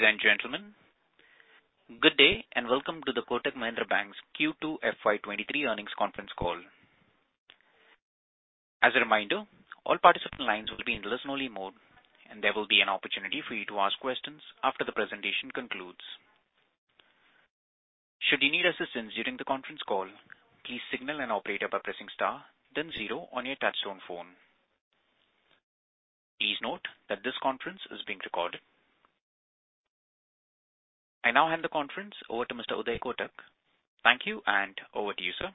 Ladies and gentlemen, good day, and welcome to the Kotak Mahindra Bank's Q2 FY 2023 earnings conference call. As a reminder, all participant lines will be in listen-only mode, and there will be an opportunity for you to ask questions after the presentation concludes. Should you need assistance during the conference call, please signal an operator by pressing star then zero on your touchtone phone. Please note that this conference is being recorded. I now hand the conference over to Mr. Uday Kotak. Thank you, and over to you, sir.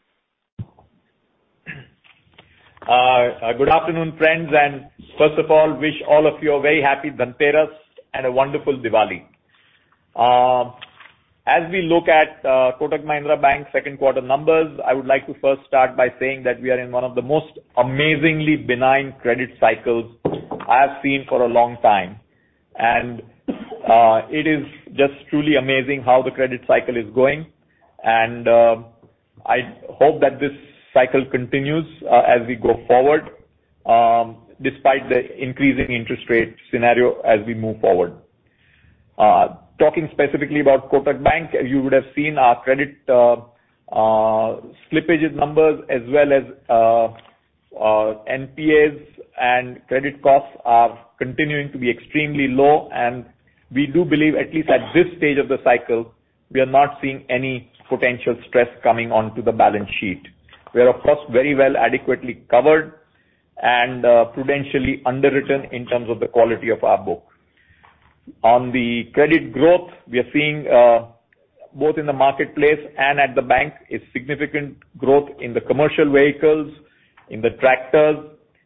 Good afternoon, friends. First of all, wish all of you a very happy Dhanteras and a wonderful Diwali. As we look at Kotak Mahindra Bank second quarter numbers, I would like to first start by saying that we are in one of the most amazingly benign credit cycles I have seen for a long time. It is just truly amazing how the credit cycle is going, and I hope that this cycle continues as we go forward, despite the increasing interest rate scenario as we move forward. Talking specifically about Kotak Mahindra Bank, you would have seen our credit slippages numbers as well as NPAs and credit costs are continuing to be extremely low, and we do believe, at least at this stage of the cycle, we are not seeing any potential stress coming onto the balance sheet. We are, of course, very well adequately covered and prudentially underwritten in terms of the quality of our book. On the credit growth we are seeing both in the marketplace and at the bank, a significant growth in the commercial vehicles, in the tractors,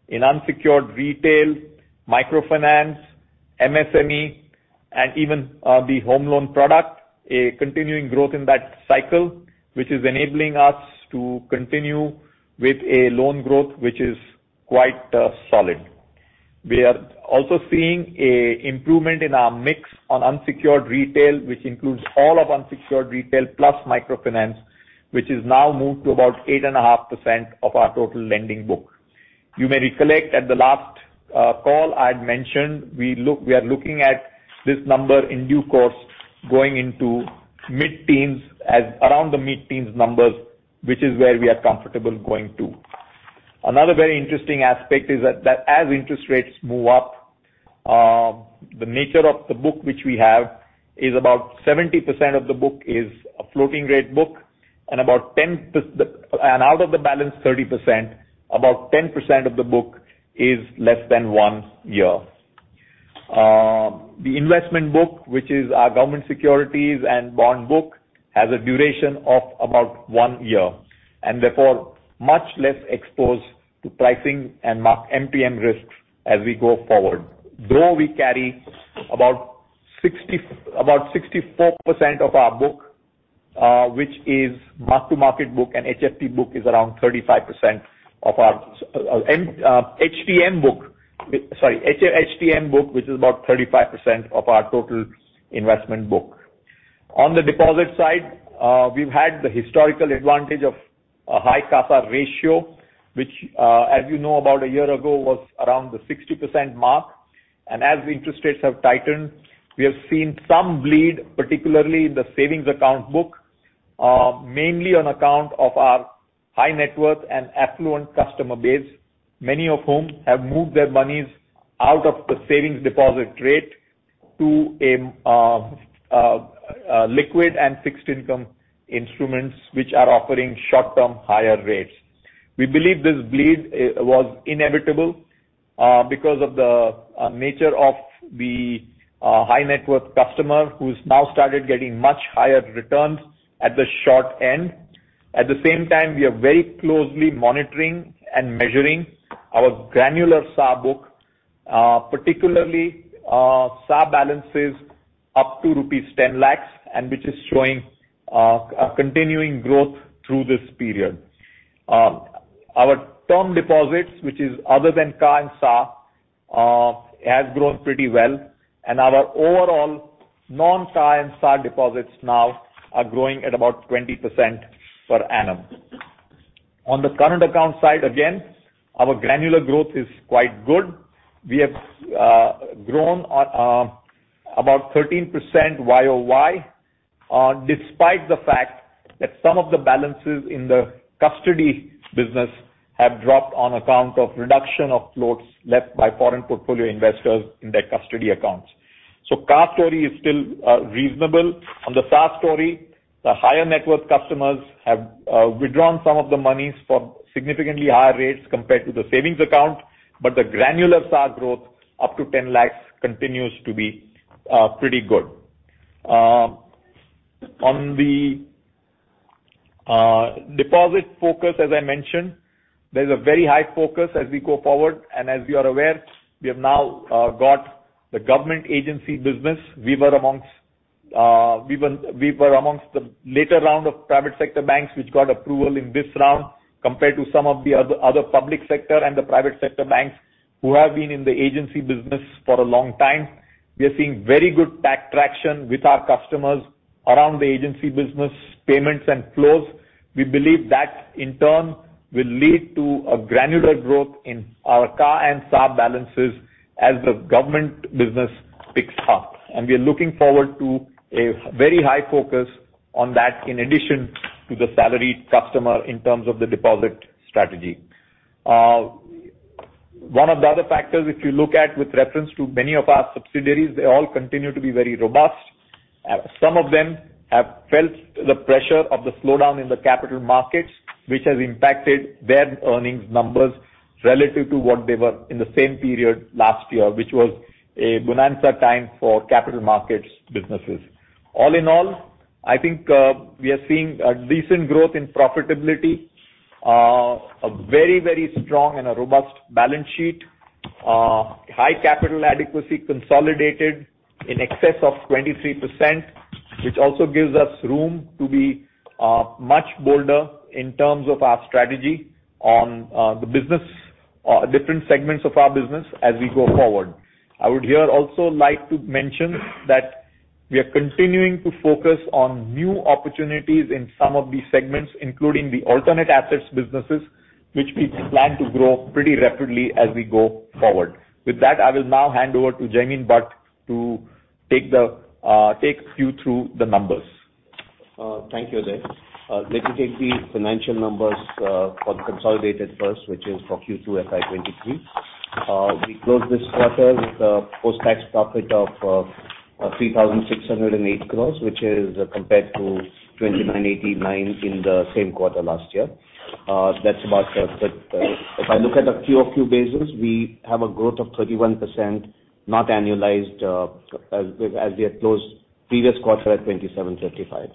in unsecured retail, microfinance, MSME, and even the home loan product, a continuing growth in that cycle, which is enabling us to continue with a loan growth, which is quite solid. We are also seeing an improvement in our mix on unsecured retail, which includes all of unsecured retail plus microfinance, which is now moved to about 8.5% of our total lending book. You may recollect at the last call I'd mentioned, we are looking at this number in due course, going into mid-teens as around the mid-teens numbers, which is where we are comfortable going to. Another very interesting aspect is that as interest rates move up, the nature of the book which we have is about 70% of the book is a floating rate book and about ten percent and out of the balance, 30%, about 10% of the book is less than one year. The investment book, which is our government securities and bond book, has a duration of about one year and therefore much less exposed to pricing and MTM risks as we go forward. Though we carry about 64% of our book, which is mark-to-market book and HFT book. HTM book, which is about 35% of our total investment book. On the deposit side, we've had the historical advantage of a high CASA ratio, which, as you know, about a year ago was around the 60% mark. As interest rates have tightened, we have seen some bleed, particularly in the savings account book, mainly on account of our high net worth and affluent customer base, many of whom have moved their monies out of the savings deposit rate to a liquid and fixed income instruments which are offering short-term higher rates. We believe this bleed was inevitable because of the nature of the high net worth customer who's now started getting much higher returns at the short end. At the same time, we are very closely monitoring and measuring our granular SA book, particularly SA balances up to rupees 10 lakh, and which is showing a continuing growth through this period. Our term deposits, which is other than CA and SA, has grown pretty well, and our overall non-CA and SA deposits now are growing at about 20% per annum. On the current account side, again, our granular growth is quite good. We have grown about 13% YOY, despite the fact that some of the balances in the custody business have dropped on account of reduction of floats left by foreign portfolio investors in their custody accounts. CA story is still reasonable. On the SA story, the higher net worth customers have withdrawn some of the monies for significantly higher rates compared to the savings account. Granular SA growth up to 10 lakhs continues to be pretty good. On the deposit focus, as I mentioned, there's a very high focus as we go forward, and as you are aware, we have now got the government agency business. We were amongst the later round of private sector banks, which got approval in this round compared to some of the other public sector and the private sector banks who have been in the agency business for a long time. We are seeing very good traction with our customers around the agency business payments and flows. We believe that in turn will lead to a granular growth in our CA and SA balances as the government business picks up. We are looking forward to a very high focus on that in addition to the salaried customer in terms of the deposit strategy. One of the other factors, if you look at with reference to many of our subsidiaries, they all continue to be very robust. Some of them have felt the pressure of the slowdown in the capital markets, which has impacted their earnings numbers relative to what they were in the same period last year, which was a bonanza time for capital markets businesses. All in all, I think, we are seeing a decent growth in profitability, a very, very strong and a robust balance sheet. High capital adequacy consolidated in excess of 23%, which also gives us room to be, much bolder in terms of our strategy on, the business or different segments of our business as we go forward. I would here also like to mention that we are continuing to focus on new opportunities in some of these segments, including the alternate assets businesses, which we plan to grow pretty rapidly as we go forward. With that, I will now hand over to Jaimin Bhatt to take you through the numbers. Thank you, Uday. Let me take the financial numbers for the consolidated first, which is for Q2 FY23. We closed this quarter with a post-tax profit of 3,608 crores, which is compared to 2,989 in the same quarter last year. That's about it. If I look at a QoQ basis, we have a growth of 31%, not annualized, as we had closed previous quarter at 2,735.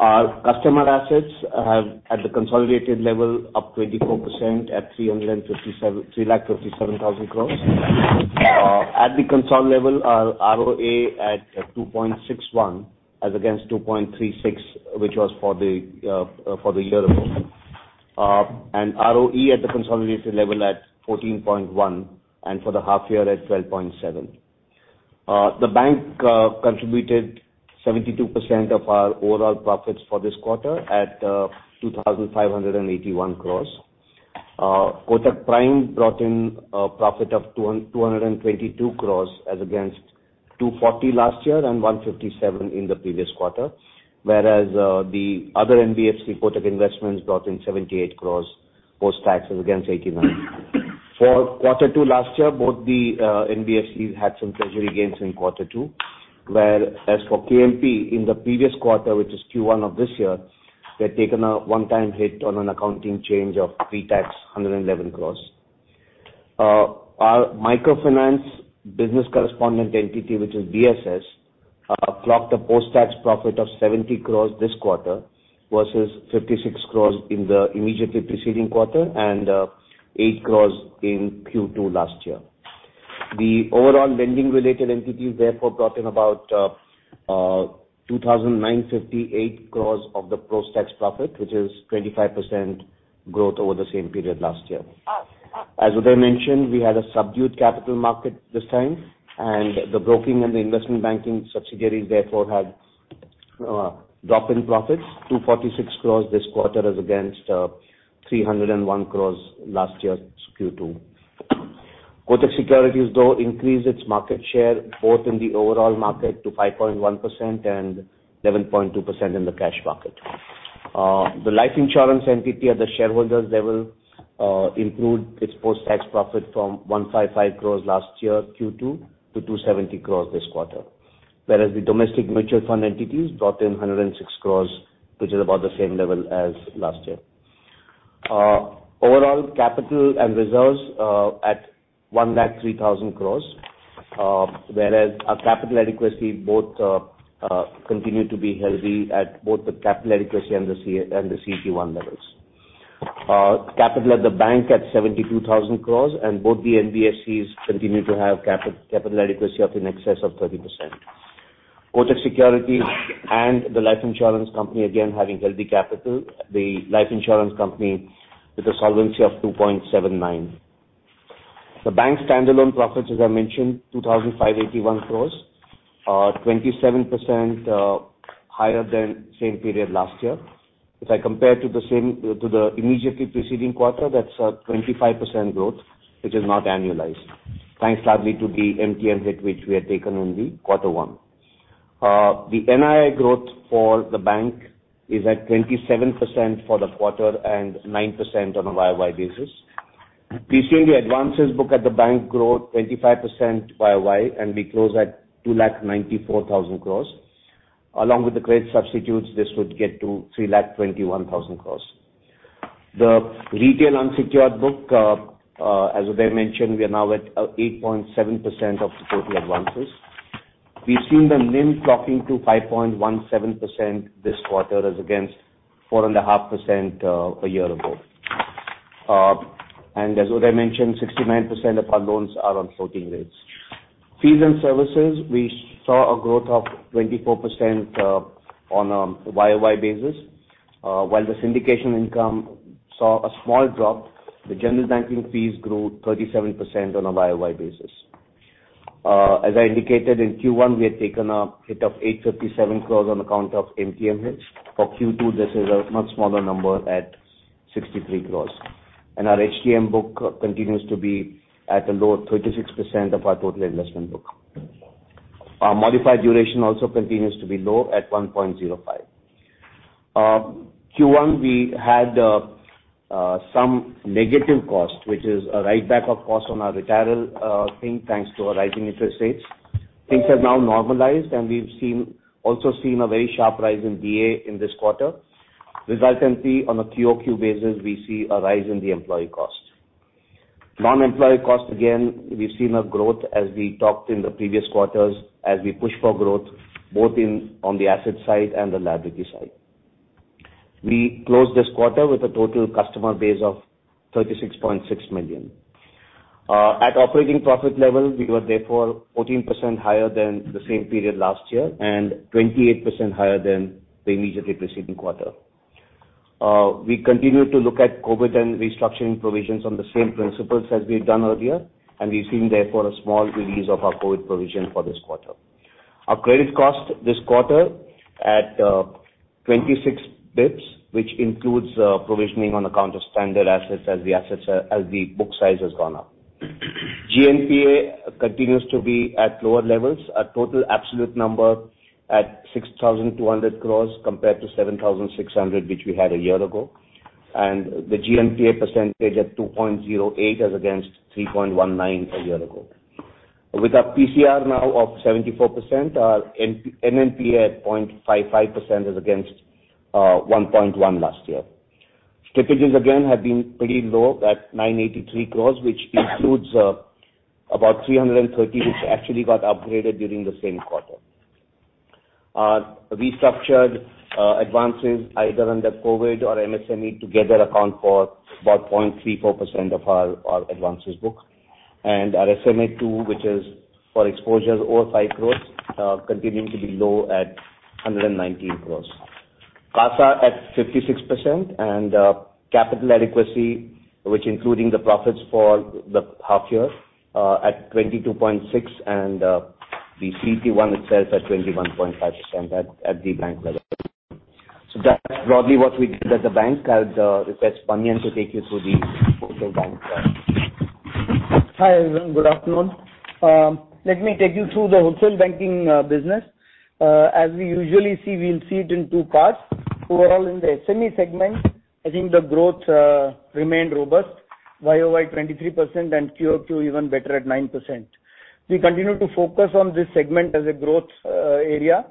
Our customer assets have at the consolidated level up 24% at 357, 3 lakh 57 thousand crores. At the consolidated level, our ROA at 2.61 as against 2.36, which was for the year before. ROE at the consolidated level at 14.1% and for the half year at 12.7%. The bank contributed 72% of our overall profits for this quarter at 2,581 crore. Kotak Mahindra Prime brought in a profit of 222 crore as against 240 last year and 157 in the previous quarter, whereas the other NBFC Kotak Mahindra Investments brought in 78 crore post-tax as against 89. For quarter two last year, both the NBFCs had some treasury gains in quarter two, whereas for Kotak Mahindra Prime in the previous quarter, which is Q1 of this year, we had taken a one-time hit on an accounting change of pre-tax 111 crore. Our microfinance business correspondent entity, which is BSS, clocked a post-tax profit of 70 crore this quarter versus 56 crore in the immediately preceding quarter and 8 crore in Q2 last year. The overall lending-related entities therefore brought in about 2,958 crore of the post-tax profit, which is 25% growth over the same period last year. As Uday mentioned, we had a subdued capital market this time, and the broking and the investment banking subsidiaries therefore had a drop in profits, 246 crore this quarter as against 301 crore last year's Q2. Kotak Securities though increased its market share both in the overall market to 5.1% and 11.2% in the cash market. The life insurance entity at the shareholders level improved its post-tax profit from 155 crore last year Q2 to 270 crore this quarter. Whereas the domestic mutual fund entities brought in 106 crore, which is about the same level as last year. Overall capital and reserves at 1,03,000 crore, whereas our capital adequacy both continue to be healthy at both the capital adequacy and the Tier 1, and the CET1 levels. Capital at the bank at 72,000 crore and both the NBFCs continue to have capital adequacy of in excess of 30%. Kotak Securities and the life insurance company again having healthy capital. The life insurance company with a solvency of 2.79. The bank standalone profits, as I mentioned, 2,581 crores, 27% higher than same period last year. If I compare to the same, to the immediately preceding quarter, that's a 25% growth, which is not annualized, thanks largely to the MTM hit which we had taken only quarter one. The NII growth for the bank is at 27% for the quarter and 9% on a YOY basis. We've seen the advances book at the bank grow 25% YOY, and we close at 2.94 lakh crores. Along with the credit substitutes, this would get to 3.21 lakh crores. The retail unsecured book, as Uday mentioned, we are now at 8.7% of the total advances. We've seen the NIM dropping to 5.17% this quarter as against 4.5%, a year ago. As Uday mentioned, 69% of our loans are on floating rates. Fees and services, we saw a growth of 24% on a YOY basis. While the syndication income saw a small drop, the general banking fees grew 37% on a YOY basis. As I indicated in Q1, we had taken a hit of 857 crores on account of MTM hits. For Q2, this is a much smaller number at 63 crores. Our HTM book continues to be at a low of 36% of our total investment book. Our modified duration also continues to be low at 1.05. Q1 we had some negative costs, which is a write back of costs on our retail thing, thanks to our rising interest rates. Things have now normalized, and we've also seen a very sharp rise in DA in this quarter. Resultantly, on a QOQ basis, we see a rise in the employee costs. Non-employee costs, again, we've seen a growth as we talked in the previous quarters as we push for growth both on the asset side and the liability side. We closed this quarter with a total customer base of 36.6 million. At operating profit level, we were therefore 14% higher than the same period last year and 28% higher than the immediately preceding quarter. We continue to look at COVID and restructuring provisions on the same principles as we've done earlier, and we've seen therefore a small release of our COVID provision for this quarter. Our credit cost this quarter at 26 basis points, which includes provisioning on account of standard assets as the book size has gone up. GNPA continues to be at lower levels, our total absolute number at 6,200 crores compared to 7,600, which we had a year ago, and the GNPA percentage at 2.08% as against 3.19% a year ago. With our PCR now of 74%, our N-NPA at 0.55% is against 1.1% last year. Slippages again have been pretty low at 983 crore, which includes about 330 crore, which actually got upgraded during the same quarter. Our restructured advances either under COVID or MSME together account for about 0.34% of our advances book. Our SMA too, which is for exposures over 5 crore, continuing to be low at 119 crore. CASA at 56% and capital adequacy, which, including the profits for the half year, at 22.6% and the CET1 itself at 21.5% at the bank level. That's broadly what we did at the bank. I'll request K.V.S. Manian to take you through the wholesale bank side. Hi, everyone. Good afternoon. Let me take you through the wholesale banking business. As we usually see, we'll see it in two parts. Overall in the SME segment, I think the growth remained robust, YOY 23% and QOQ even better at 9%. We continue to focus on this segment as a growth area.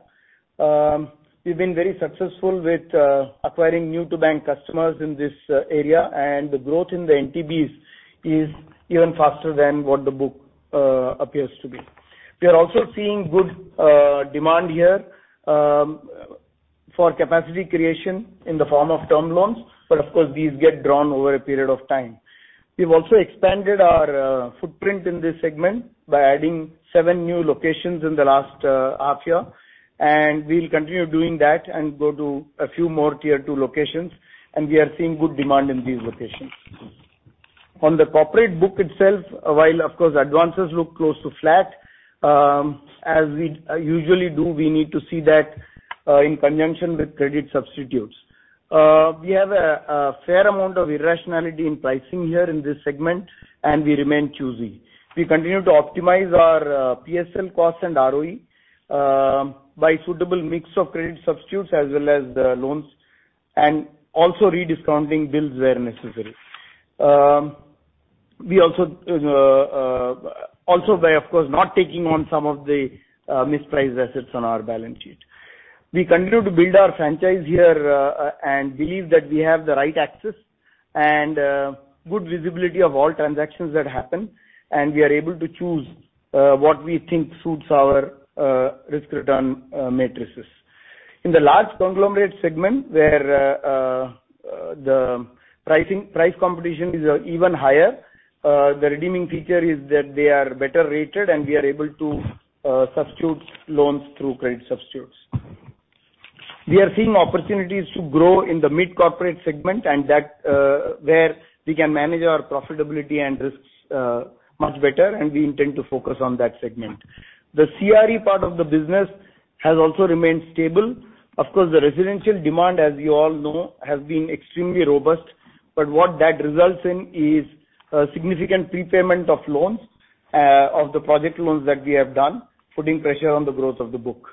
We've been very successful with acquiring new-to-bank customers in this area, and the growth in the NTBs is even faster than what the book appears to be. We are also seeing good demand here for capacity creation in the form of term loans, but of course, these get drawn over a period of time. We've also expanded our footprint in this segment by adding seven new locations in the last half year, and we'll continue doing that and go to a few more tier two locations, and we are seeing good demand in these locations. On the corporate book itself, while of course advances look close to flat, as we usually do, we need to see that in conjunction with credit substitutes. We have a fair amount of irrationality in pricing here in this segment, and we remain choosy. We continue to optimize our PSL costs and ROE by suitable mix of credit substitutes as well as the loans and also rediscounting bills where necessary. We also by, of course, not taking on some of the mispriced assets on our balance sheet. We continue to build our franchise here and believe that we have the right access and good visibility of all transactions that happen, and we are able to choose what we think suits our risk return matrices. In the large conglomerate segment, where the price competition is even higher, the redeeming feature is that they are better rated and we are able to substitute loans through credit substitutes. We are seeing opportunities to grow in the mid-corporate segment and where we can manage our profitability and risks much better, and we intend to focus on that segment. The CRE part of the business has also remained stable. Of course, the residential demand, as you all know, has been extremely robust. What that results in is significant prepayment of loans of the project loans that we have done, putting pressure on the growth of the book.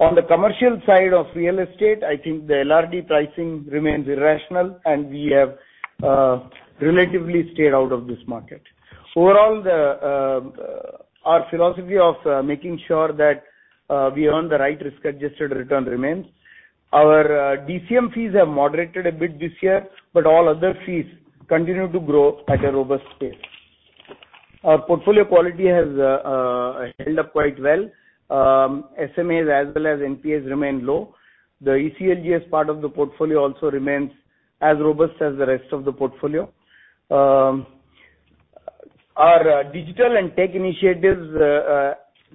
On the commercial side of real estate, I think the LRD pricing remains irrational, and we have relatively stayed out of this market. Overall, our philosophy of making sure that we earn the right risk-adjusted return remains. Our DCM fees have moderated a bit this year, but all other fees continue to grow at a robust pace. Our portfolio quality has held up quite well. SMAs as well as NPAs remain low. The ECLGS part of the portfolio also remains as robust as the rest of the portfolio. Our digital and tech initiatives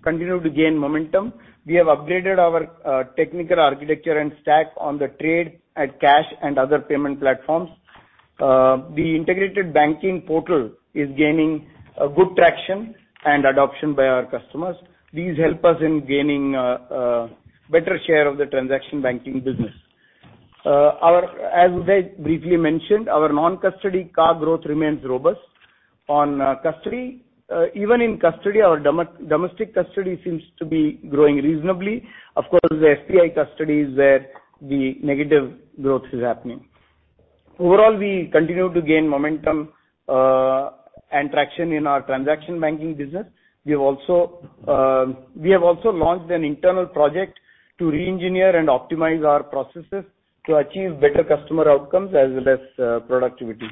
continue to gain momentum. We have upgraded our technical architecture and stack on the trade and cash and other payment platforms. The integrated banking portal is gaining a good traction and adoption by our customers. These help us in gaining a better share of the transaction banking business. As K.V.S. Manian briefly mentioned, our non-custody CA growth remains robust. On custody, even in custody, our domestic custody seems to be growing reasonably. Of course, the FPI custody is where the negative growth is happening. Overall, we continue to gain momentum and traction in our transaction banking business. We have also launched an internal project to re-engineer and optimize our processes to achieve better customer outcomes as well as productivity.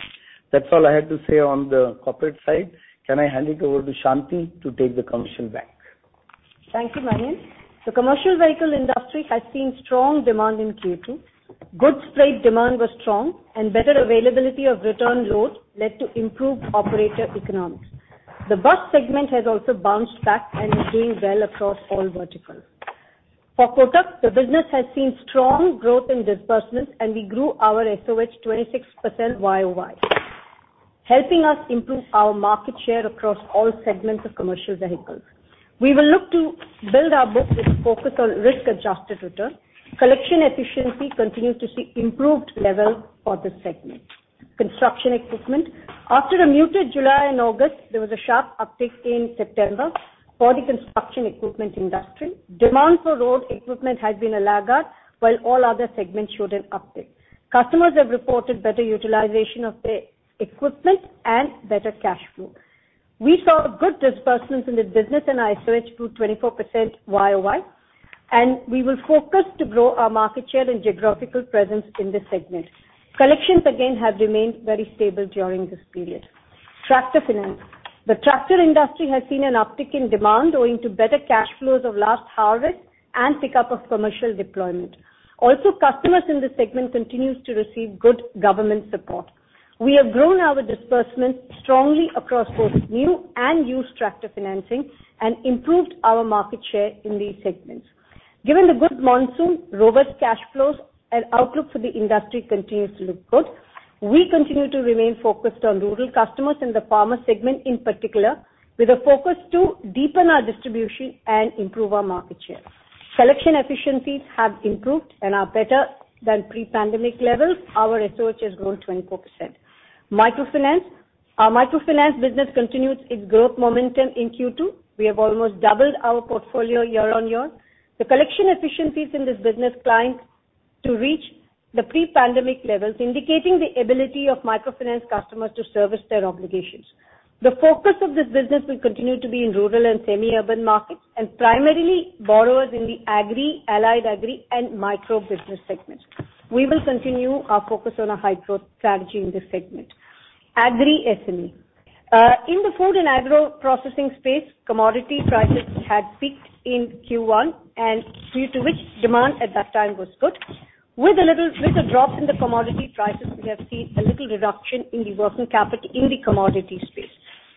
That's all I have to say on the corporate side. Can I hand it over to Shanti to take the consumer banking? Thank you, Manian. The commercial vehicle industry has seen strong demand in Q2. Goods freight demand was strong, and better availability of return loads led to improved operator economics. The bus segment has also bounced back and is doing well across all verticals. For Kotak, the business has seen strong growth in disbursements, and we grew our SOH 26% YOY, helping us improve our market share across all segments of commercial vehicles. We will look to build our book with a focus on risk-adjusted return. Collection efficiency continued to see improved levels for this segment. Construction equipment. After a muted July and August, there was a sharp uptick in September for the construction equipment industry. Demand for road equipment has been a laggard, while all other segments showed an uptick. Customers have reported better utilization of their equipment and better cash flow. We saw good disbursements in this business and our SOH grew 24% YOY, and we will focus to grow our market share and geographical presence in this segment. Collections, again, have remained very stable during this period. Tractor finance. The tractor industry has seen an uptick in demand owing to better cash flows of last harvest and pickup of commercial deployment. Also, customers in this segment continues to receive good government support. We have grown our disbursements strongly across both new and used tractor financing and improved our market share in these segments. Given the good monsoon, robust cash flows and outlook for the industry continues to look good, we continue to remain focused on rural customers in the farmer segment in particular, with a focus to deepen our distribution and improve our market share. Collection efficiencies have improved and are better than pre-pandemic levels. Our SOH has grown 24%. Microfinance. Our microfinance business continues its growth momentum in Q2. We have almost doubled our portfolio year-on-year. The collection efficiencies in this business climbed to reach the pre-pandemic levels, indicating the ability of microfinance customers to service their obligations. The focus of this business will continue to be in rural and semi-urban markets and primarily borrowers in the agri, allied agri and micro business segments. We will continue our focus on a high-growth strategy in this segment. Agri SME. In the food and agro processing space, commodity prices had peaked in Q1 and due to which demand at that time was good. With a drop in the commodity prices, we have seen a little reduction in the working capital in the commodity space.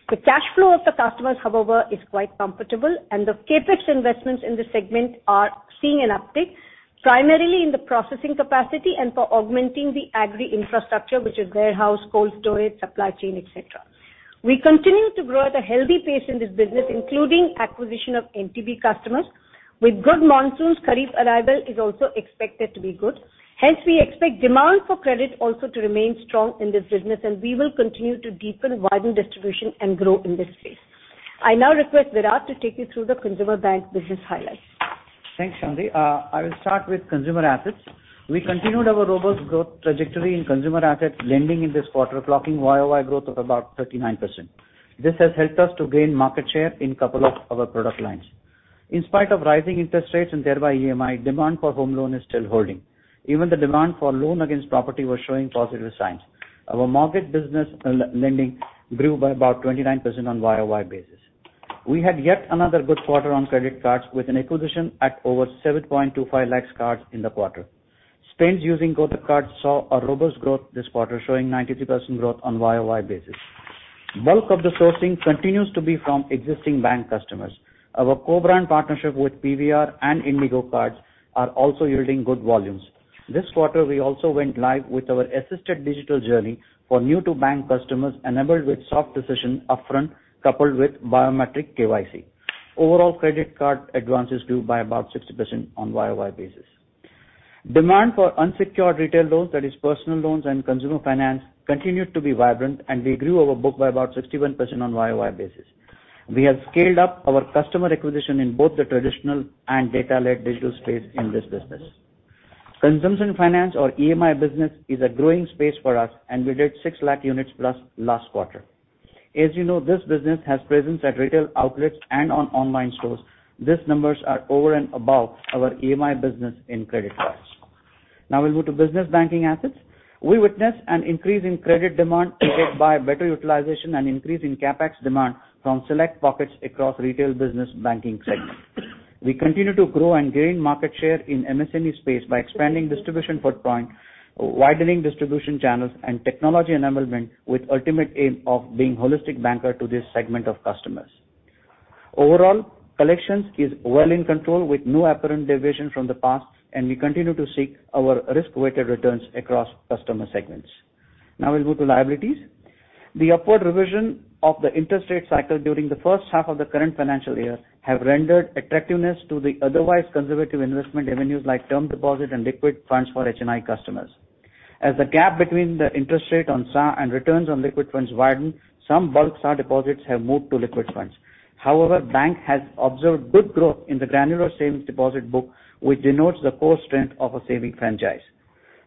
The cash flow of the customers, however, is quite comfortable and the CapEx investments in this segment are seeing an uptick, primarily in the processing capacity and for augmenting the agri infrastructure which is warehouse, cold storage, supply chain, et cetera. We continue to grow at a healthy pace in this business including acquisition of NTB customers. With good monsoons, kharif arrival is also expected to be good. Hence, we expect demand for credit also to remain strong in this business and we will continue to deepen, widen distribution and grow in this space. I now request Virat to take you through the Consumer Bank business highlights. Thanks, Shanti. I will start with consumer assets. We continued our robust growth trajectory in consumer assets lending in this quarter, clocking YOY growth of about 39%. This has helped us to gain market share in couple of our product lines. In spite of rising interest rates and thereby EMI, demand for home loan is still holding. Even the demand for loan against property was showing positive signs. Our mortgage business lending grew by about 29% on YOY basis. We had yet another good quarter on credit cards with an acquisition at over 7.25 lakh cards in the quarter. Spends using Kotak Card saw a robust growth this quarter, showing 93% growth on YOY basis. Bulk of the sourcing continues to be from existing bank customers. Our co-brand partnership with PVR and IndiGo Cards are also yielding good volumes. This quarter, we also went live with our assisted digital journey for new-to-bank customers enabled with soft decision upfront, coupled with biometric KYC. Overall credit card advances grew by about 60% year-over-year. Demand for unsecured retail loans, that is personal loans and consumer finance, continued to be vibrant, and we grew our book by about 61% year-over-year. We have scaled up our customer acquisition in both the traditional and data-led digital space in this business. Consumption finance or EMI business is a growing space for us, and we did 600,000 units plus last quarter. As you know, this business has presence at retail outlets and on online stores. These numbers are over and above our EMI business in credit cards. Now we'll move to business banking assets. We witnessed an increase in credit demand aided by better utilization and increase in CapEx demand from select pockets across retail business banking segment. We continue to grow and gain market share in MSME space by expanding distribution footprint, widening distribution channels and technology enablement with ultimate aim of being holistic banker to this segment of customers. Overall, collections is well in control with no apparent deviation from the past, and we continue to seek our risk-weighted returns across customer segments. Now we'll move to liabilities. The upward revision of the interest rate cycle during the first half of the current financial year have rendered attractiveness to the otherwise conservative investment avenues like term deposit and liquid funds for HNI customers. As the gap between the interest rate on SA and returns on liquid funds widen, some bulk SA deposits have moved to liquid funds. However, bank has observed good growth in the granular savings deposit book, which denotes the core strength of a savings franchise.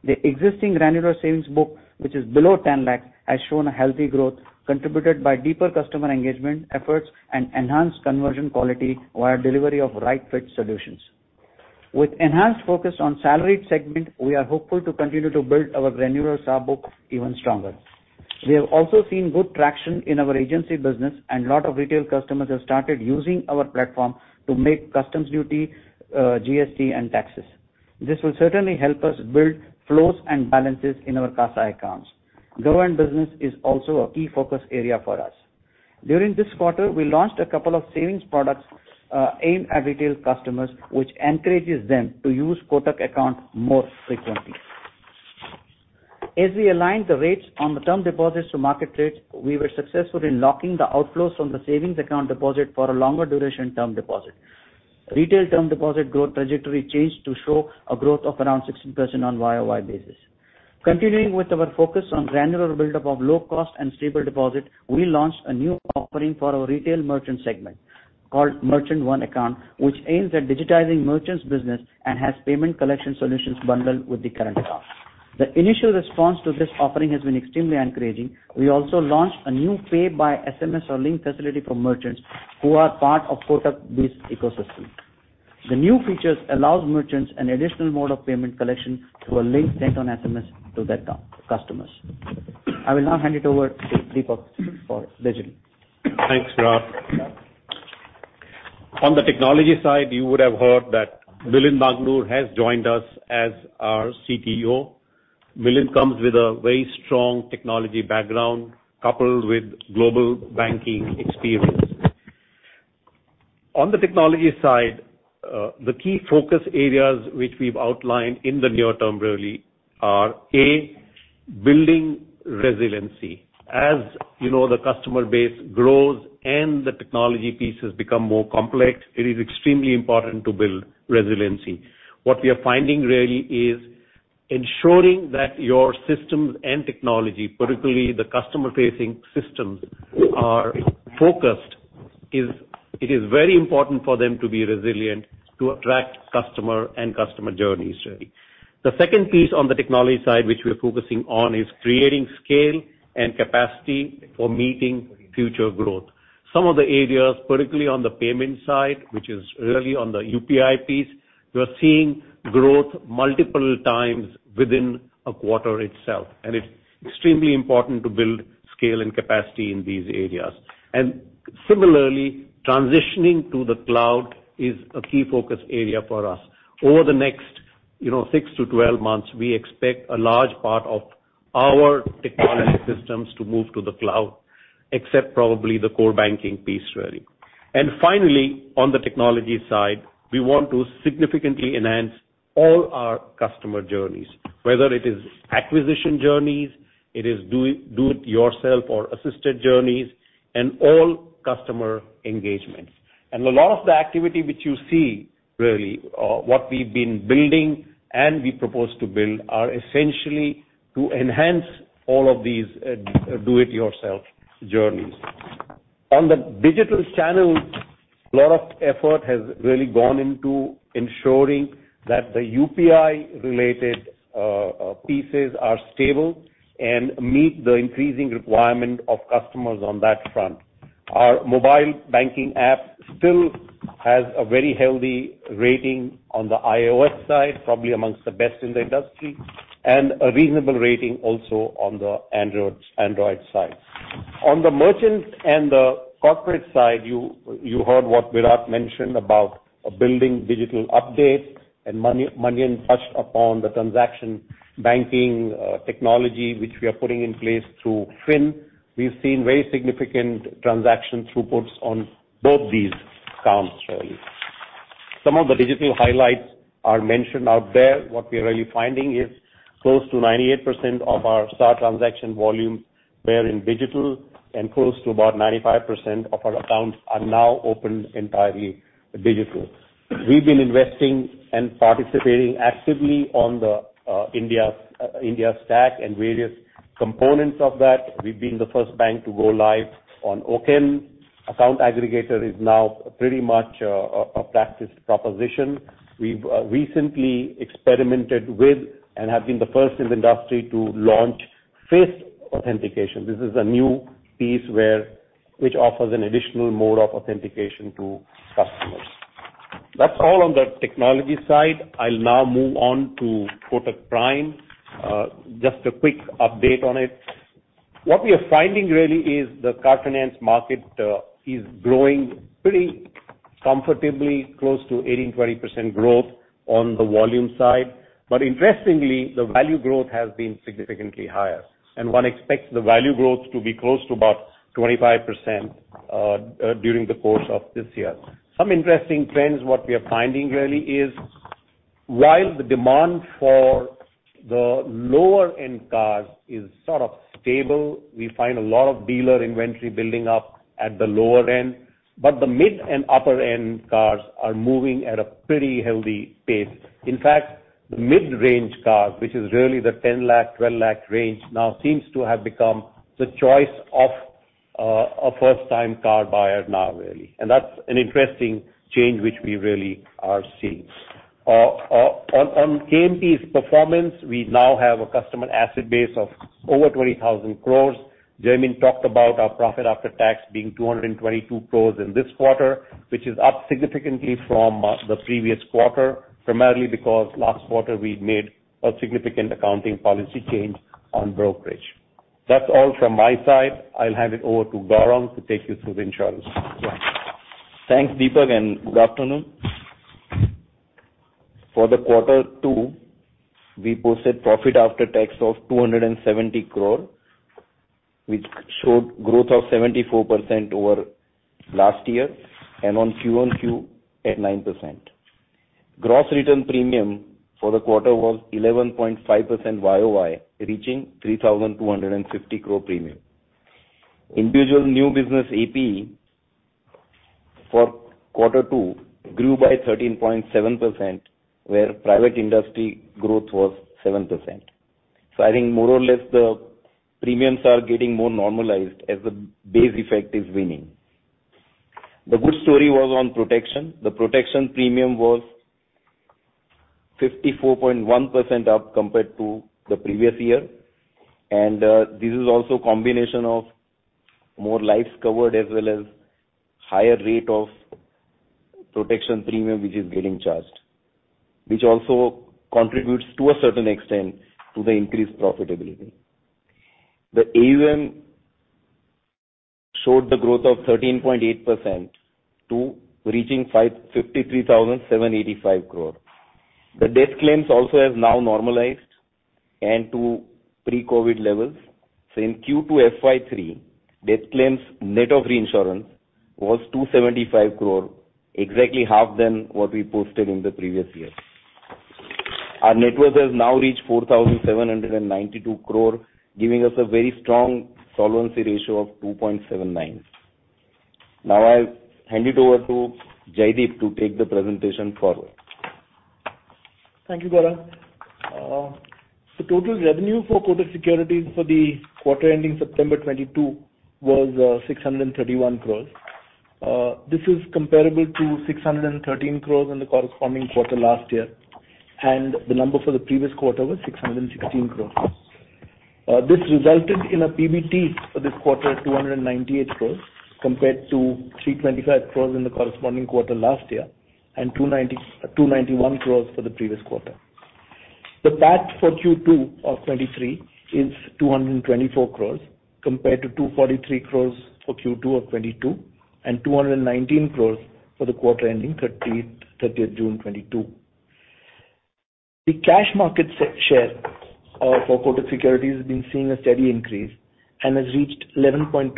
The existing granular savings book, which is below 10 lakh, has shown a healthy growth contributed by deeper customer engagement efforts and enhanced conversion quality via delivery of right fit solutions. With enhanced focus on salaried segment, we are hopeful to continue to build our granular SA book even stronger. We have also seen good traction in our agency business, and a lot of retail customers have started using our platform to make customs duty, GST, and taxes. This will certainly help us build flows and balances in our CASA accounts. Government business is also a key focus area for us. During this quarter, we launched a couple of savings products aimed at retail customers, which encourages them to use Kotak account more frequently. As we aligned the rates on the term deposits to market rates, we were successful in locking the outflows from the savings account deposit for a longer duration term deposit. Retail term deposit growth trajectory changed to show a growth of around 16% on YOY basis. Continuing with our focus on granular buildup of low cost and stable deposit, we launched a new offering for our retail merchant segment called Merchant One Account, which aims at digitizing merchants' business and has payment collection solutions bundled with the current account. The initial response to this offering has been extremely encouraging. We also launched a new pay by SMS or link facility for merchants who are part of Kotak-based ecosystem. The new features allows merchants an additional mode of payment collection through a link sent on SMS to their customers. I will now hand it over to Dipak for digital. Thanks, Virat. On the technology side, you would have heard that Milind Nagnur has joined us as our CTO. Milind comes with a very strong technology background, coupled with global banking experience. On the technology side, the key focus areas which we've outlined in the near term really are, A, building resiliency. As you know, the customer base grows and the technology pieces become more complex, it is extremely important to build resiliency. What we are finding really is ensuring that your systems and technology, particularly the customer-facing systems, are focused. It is very important for them to be resilient to attract customer and customer journeys really. The second piece on the technology side, which we are focusing on, is creating scale and capacity for meeting future growth. Some of the areas, particularly on the payment side, which is really on the UPI piece, we are seeing growth multiple times within a quarter itself, and it's extremely important to build scale and capacity in these areas. Similarly, transitioning to the cloud is a key focus area for us. Over the next, you know, 6 to 12 months, we expect a large part of our technology systems to move to the cloud, except probably the core banking piece, really. Finally, on the technology side, we want to significantly enhance all our customer journeys, whether it is acquisition journeys, it is do it yourself or assisted journeys, and all customer engagements. A lot of the activity which you see really, what we've been building and we propose to build are essentially to enhance all of these, do it yourself journeys. On the digital channel, a lot of effort has really gone into ensuring that the UPI-related pieces are stable and meet the increasing requirement of customers on that front. Our mobile banking app still has a very healthy rating on the iOS side, probably amongst the best in the industry, and a reasonable rating also on the Android side. On the merchant and the corporate side, you heard what Virat mentioned about building digital updates, and Manian touched upon the transaction banking technology which we are putting in place through fyn. We've seen very significant transaction throughputs on both these counts really. Some of the digital highlights are mentioned out there. What we are really finding is close to 98% of our SA transaction volume were in digital, and close to about 95% of our accounts are now opened entirely digital. We've been investing and participating actively on the India Stack and various components of that. We've been the first bank to go live on OCEN. Account Aggregator is now pretty much a practical proposition. We've recently experimented with and have been the first in the industry to launch face authentication. This is a new piece which offers an additional mode of authentication to customers. That's all on the technology side. I'll now move on to Kotak Prime. Just a quick update on it. What we are finding really is the car finance market is growing pretty comfortably close to 18-20% growth on the volume side. Interestingly, the value growth has been significantly higher, and one expects the value growth to be close to about 25%, during the course of this year. Some interesting trends. What we are finding really is while the demand for the lower end cars is sort of stable, we find a lot of dealer inventory building up at the lower end, but the mid and upper end cars are moving at a pretty healthy pace. In fact, the mid-range cars, which is really the 10 lakh-12 lakh range, now seems to have become the choice of a first time car buyer now, really. That's an interesting change which we really are seeing. On KMP's performance, we now have a customer asset base of over 20,000 crore. Jaimin talked about our profit after tax being 222 crore in this quarter, which is up significantly from the previous quarter, primarily because last quarter we made a significant accounting policy change on brokerage. That's all from my side. I'll hand it over to Gaurang to take you through the insurance. Yeah. Thanks, Dipak, and good afternoon. For quarter two, we posted profit after tax of 270 crore, which showed growth of 74% over last year and on Q-on-Q at 9%. Gross written premium for the quarter was 11.5% YOY, reaching 3,250 crore premium. Individual new business APE for quarter two grew by 13.7%, where private industry growth was 7%. I think more or less the premiums are getting more normalized as the base effect is winning. The good story was on protection. The protection premium was 54.1% up compared to the previous year. This is also combination of more lives covered as well as higher rate of protection premium which is getting charged, which also contributes to a certain extent to the increased profitability. The AUM showed the growth of 13.8% to reaching 53,785 crore. The death claims also has now normalized and to pre-COVID levels. In Q2 FY 2023, death claims net of reinsurance was 275 crore, exactly half than what we posted in the previous year. Our net worth has now reached 4,792 crore, giving us a very strong solvency ratio of 2.79. Now I'll hand it over to Jaideep to take the presentation forward. Thank you, Gaurang. The total revenue for Kotak Securities for the quarter ending September 2022 was 631 crore. This is comparable to 613 crore in the corresponding quarter last year, and the number for the previous quarter was 616 crore. This resulted in a PBT for this quarter at 298 crore compared to 325 crore in the corresponding quarter last year and 291 crore for the previous quarter. The PAT for Q2 of 2023 is 224 crore compared to 243 crore for Q2 of 2022 and 219 crore for the quarter ending thirtieth June 2022. The cash market share for Kotak Securities has been seeing a steady increase and has reached 11.2%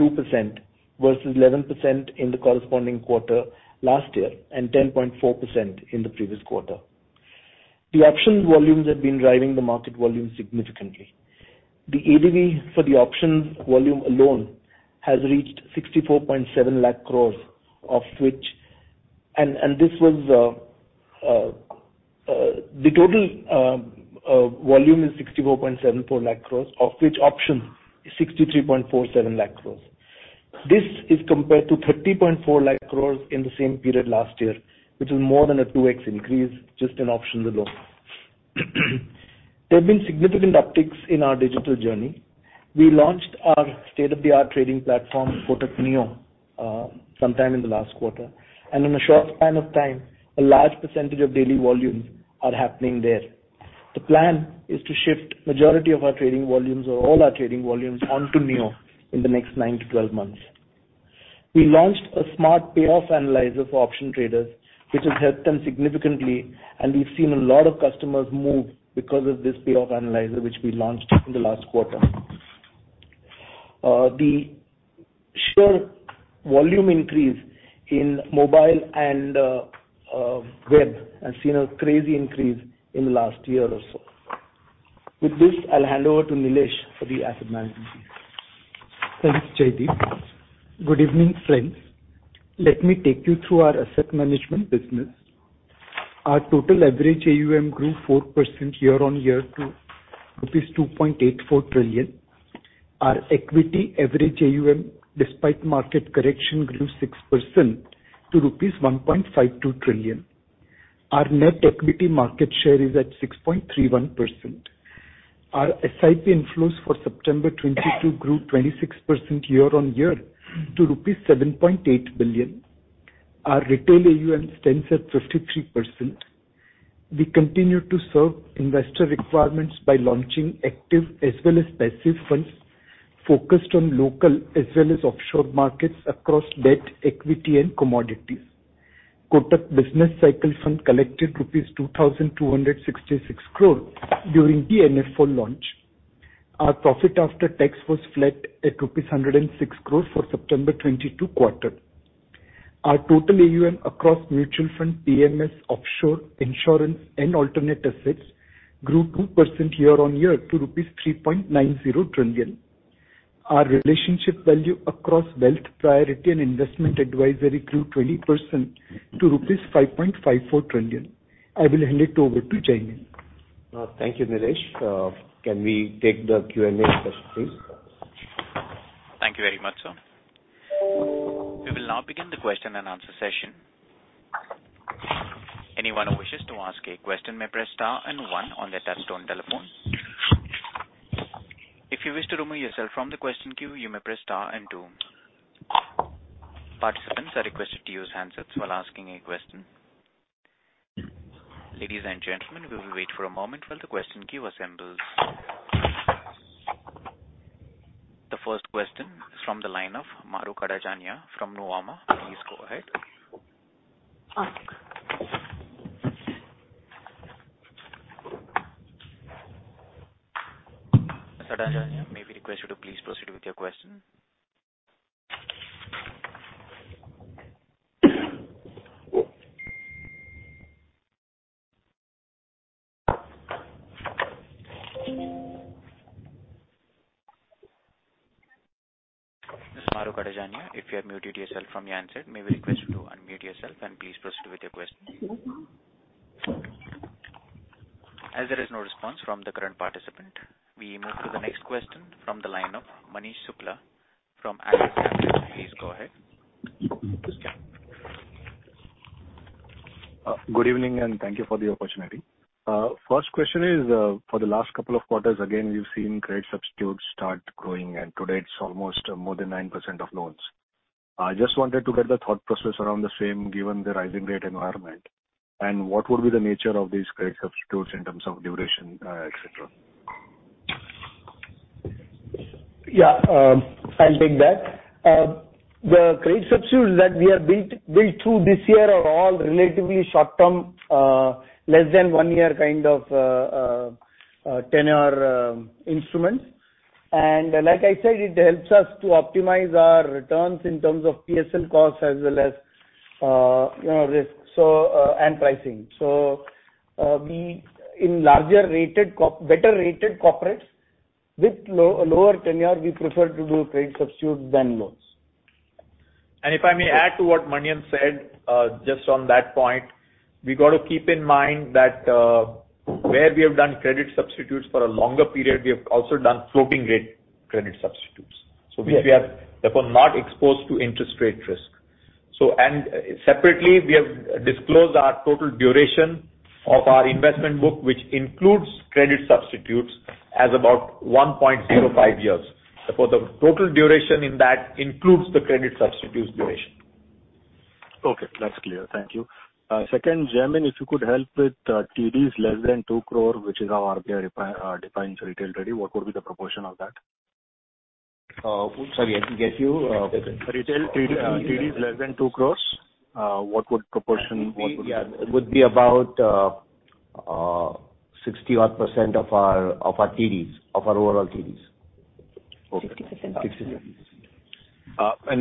versus 11% in the corresponding quarter last year and 10.4% in the previous quarter. The options volumes have been driving the market volume significantly. The ADV for the options volume alone has reached 64.7 lakh crores. The total volume is 64.74 lakh crores, of which options is 63.47 lakh crores. This is compared to 30.4 lakh crores in the same period last year, which is more than a 2x increase just in options alone. There have been significant upticks in our digital journey. We launched our state-of-the-art trading platform, Kotak Neo, sometime in the last quarter, and in a short span of time, a large percentage of daily volumes are happening there. The plan is to shift majority of our trading volumes or all our trading volumes onto Neo in the next 9-12 months. We launched a smart payoff analyzer for option traders, which has helped them significantly, and we've seen a lot of customers move because of this payoff analyzer which we launched in the last quarter. The share volume increase in mobile and web has seen a crazy increase in the last year or so. With this, I'll hand over to Nilesh for the asset management piece. Thanks, Jaideep. Good evening, friends. Let me take you through our asset management business. Our total average AUM grew 4% year-on-year to rupees 2.84 trillion. Our equity average AUM, despite market correction, grew 6% to INR 1.52 trillion. Our net equity market share is at 6.31%. Our SIP inflows for September 2022 grew 26% year-on-year to rupees 7.8 billion. Our retail AUM stands at 53%. We continue to serve investor requirements by launching active as well as passive funds focused on local as well as offshore markets across debt, equity, and commodities. Kotak Business Cycle Fund collected rupees 2,266 crore during the NFO launch. Our profit after tax was flat at rupees 106 crore for September 2022 quarter. Our total AUM across mutual fund, PMS, offshore, insurance, and alternate assets grew 2% year-on-year to rupees 3.90 trillion. Our relationship value across wealth, priority, and investment advisory grew 20% to rupees 5.54 trillion. I will hand it over to Jaimin. Thank you, Nilesh. Can we take the Q&A session, please? Thank you very much, sir. We will now begin the question and answer session. Anyone who wishes to ask a question may press star and one on their touchtone telephone. If you wish to remove yourself from the question queue, you may press star and two. Participants are requested to use handsets while asking a question. Ladies and gentlemen, we will wait for a moment while the question queue assembles. The first question is from the line of Mahrukh Adajania from Nuvama. Please go ahead. Mahrukh Adajania, may we request you to please proceed with your question. Mahrukh Adajania, if you have muted yourself from your handset, may we request you to unmute yourself and please proceed with your question. As there is no response from the current participant, we move to the next question from the line of Manish Shukla from please go ahead. Good evening, and thank you for the opportunity. First question is, for the last couple of quarters, again, we've seen credit substitutes start growing, and today it's almost more than 9% of loans. I just wanted to get the thought process around the same given the rising rate environment and what would be the nature of these credit substitutes in terms of duration, et cetera. Yeah, I'll take that. The credit substitutes that we have built through this year are all relatively short-term, less than one year kind of tenure, instruments. Like I said, it helps us to optimize our returns in terms of PSL costs as well as, you know, risk, and pricing. We in larger, better rated corporates with lower tenure, we prefer to do credit substitutes than loans. If I may add to what Manian said, just on that point, we got to keep in mind that, where we have done credit substitutes for a longer period, we have also done floating rate credit substitutes. Yes. We have, therefore, not exposed to interest rate risk. Separately, we have disclosed our total duration of our investment book, which includes credit substitutes as about 1.05 years. Therefore, the total duration in that includes the credit substitutes duration. That's clear. Thank you. Second, Jaimin, if you could help with TDs less than 2 crore, which is how RBI defines retail ready, what would be the proportion of that? Sorry, I didn't get you. Repeat. Retail TD, TDs less than 2 crore, what proportion would be? It would be about 60-odd% of our overall TDs. Okay. 60%. 60%.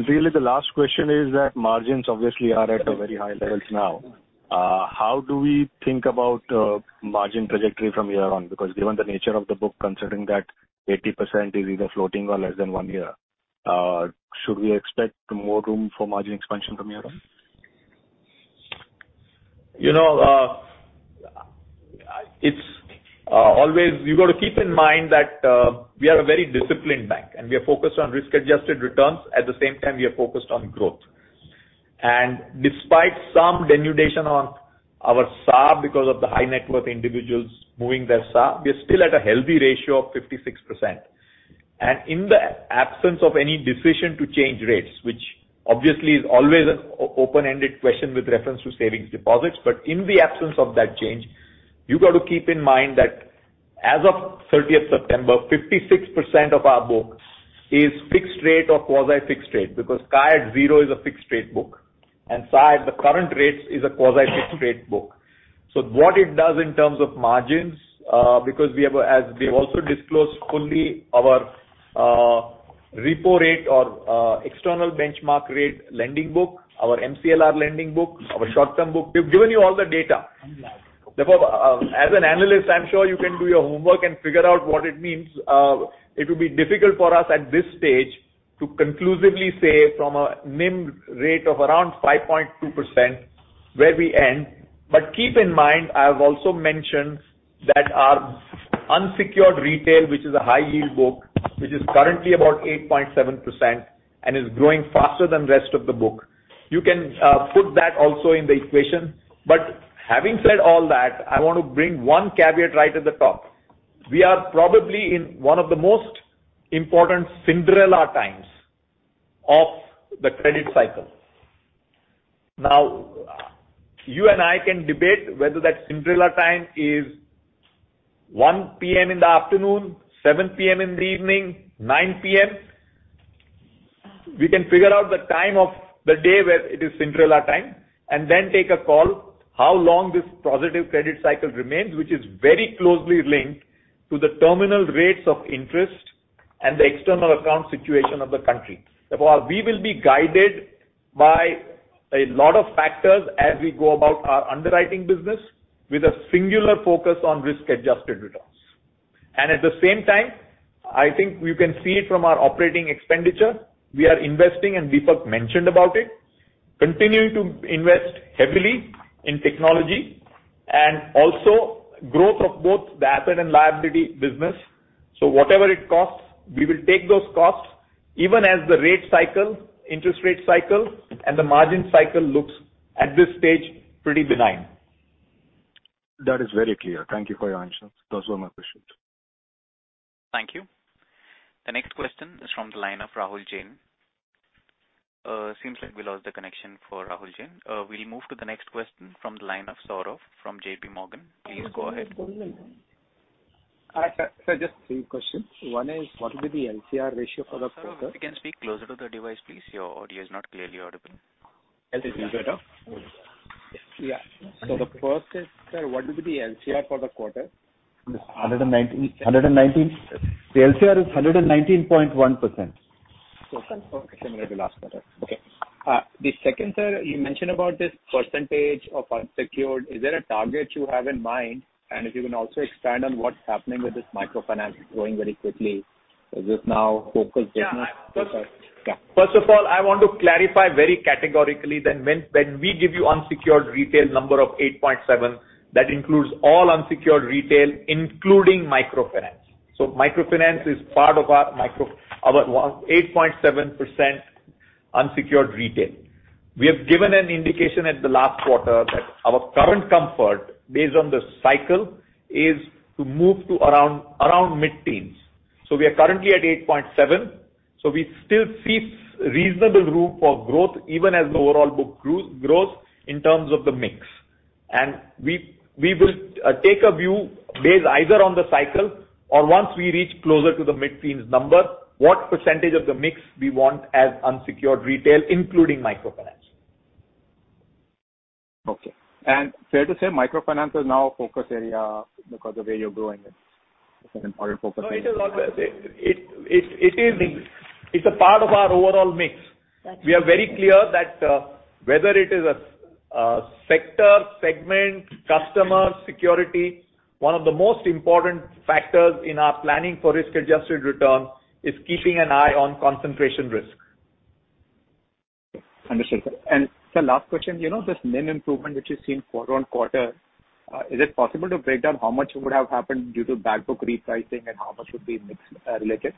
Really the last question is that margins obviously are at a very high levels now. How do we think about margin trajectory from here on? Because given the nature of the book, considering that 80% is either floating or less than one year, should we expect more room for margin expansion from here on? You know, it's always you got to keep in mind that we are a very disciplined bank, and we are focused on risk-adjusted returns. At the same time, we are focused on growth. Despite some denudation on our CASA because of the high net worth individuals moving their CASA, we are still at a healthy ratio of 56%. In the absence of any decision to change rates, which obviously is always an open-ended question with reference to savings deposits. In the absence of that change, you got to keep in mind that as of thirtieth September, 56% of our book is fixed rate or quasi-fixed rate because CA at zero is a fixed rate book and SA at the current rates is a quasi-fixed rate book. What it does in terms of margins, because we have, as we have also disclosed fully our, repo rate or, external benchmark rate lending book, our MCLR lending book, our short-term book, we've given you all the data. Therefore, as an analyst, I'm sure you can do your homework and figure out what it means. It will be difficult for us at this stage to conclusively say from a NIM rate of around 5.2% where we end. Keep in mind, I have also mentioned that our unsecured retail, which is a high yield book, which is currently about 8.7% and is growing faster than rest of the book. You can put that also in the equation. Having said all that, I want to bring one caveat right at the top. We are probably in one of the most important Cinderella times of the credit cycle. Now, you and I can debate whether that Cinderella time is 1 P.M. in the afternoon, 7 P.M. in the evening, 9 P.M. We can figure out the time of the day where it is Cinderella time and then take a call how long this positive credit cycle remains, which is very closely linked to the terminal rates of interest and the external account situation of the country. Therefore, we will be guided by a lot of factors as we go about our underwriting business with a singular focus on risk-adjusted returns. At the same time, I think you can see it from our operating expenditure, we are investing, and Deepak mentioned about it, continuing to invest heavily in technology and also growth of both the asset and liability business. whatever it costs, we will take those costs even as the rate cycle, interest rate cycle and the margin cycle looks at this stage, pretty benign. That is very clear. Thank you for your answers. Those were my questions. Thank you. The next question is from the line of Rahul Jain. Seems like we lost the connection for Rahul Jain. We'll move to the next question from the line of Saurav from JP Morgan. Please go ahead. Sir, just three questions. One is, what will be the LCR ratio for the quarter? Saurav, if you can speak closer to the device, please. Your audio is not clearly audible. Is this better? Yes. The first is, sir, what will be the LCR for the quarter? 119. The LCR is 119.1%. Okay. Similar to last quarter. Okay. The second, sir, you mentioned about this percentage of unsecured. Is there a target you have in mind? If you can also expand on what's happening with this microfinance growing very quickly. Is this now focused business? Yeah. First of all, I want to clarify very categorically that when we give you unsecured retail number of 8.7, that includes all unsecured retail, including microfinance. Microfinance is part of our 8.7% unsecured retail. We have given an indication at the last quarter that our current comfort based on the cycle is to move to around mid-teens. We are currently at 8.7, so we still see reasonable room for growth even as the overall book grows in terms of the mix. We will take a view based either on the cycle or once we reach closer to the mid-teens number, what percentage of the mix we want as unsecured retail, including microfinance. Okay. Fair to say microfinance is now a focus area because the way you're growing it. Is that an important focus area? No, it is always. It is it's a part of our overall mix. We are very clear that whether it is a sector, segment, customer, security, one of the most important factors in our planning for risk-adjusted return is keeping an eye on concentration risk. Understood, sir. Sir, last question. You know this NIM improvement which you've seen quarter-over-quarter, is it possible to break down how much would have happened due to back book repricing and how much would be mix related?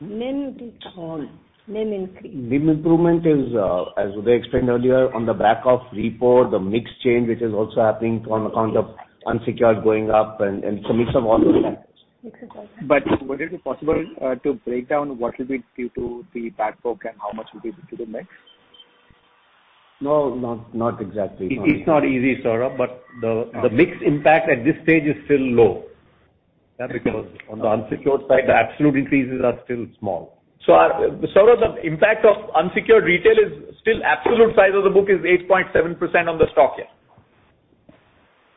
NIM increase. NIM improvement is, as Uday explained earlier, on the back of repo, the mix change, which is also happening on account of unsecured going up and some mix of all those factors. Mix of all that. Would it be possible to break down what will be due to the back book and how much will be due to the mix? No, not exactly. It's not easy, Saurav, but the mix impact at this stage is still low. Because on the unsecured side the absolute increases are still small. Saurav, the impact of unsecured retail is still absolute size of the book is 8.7% on the stock here.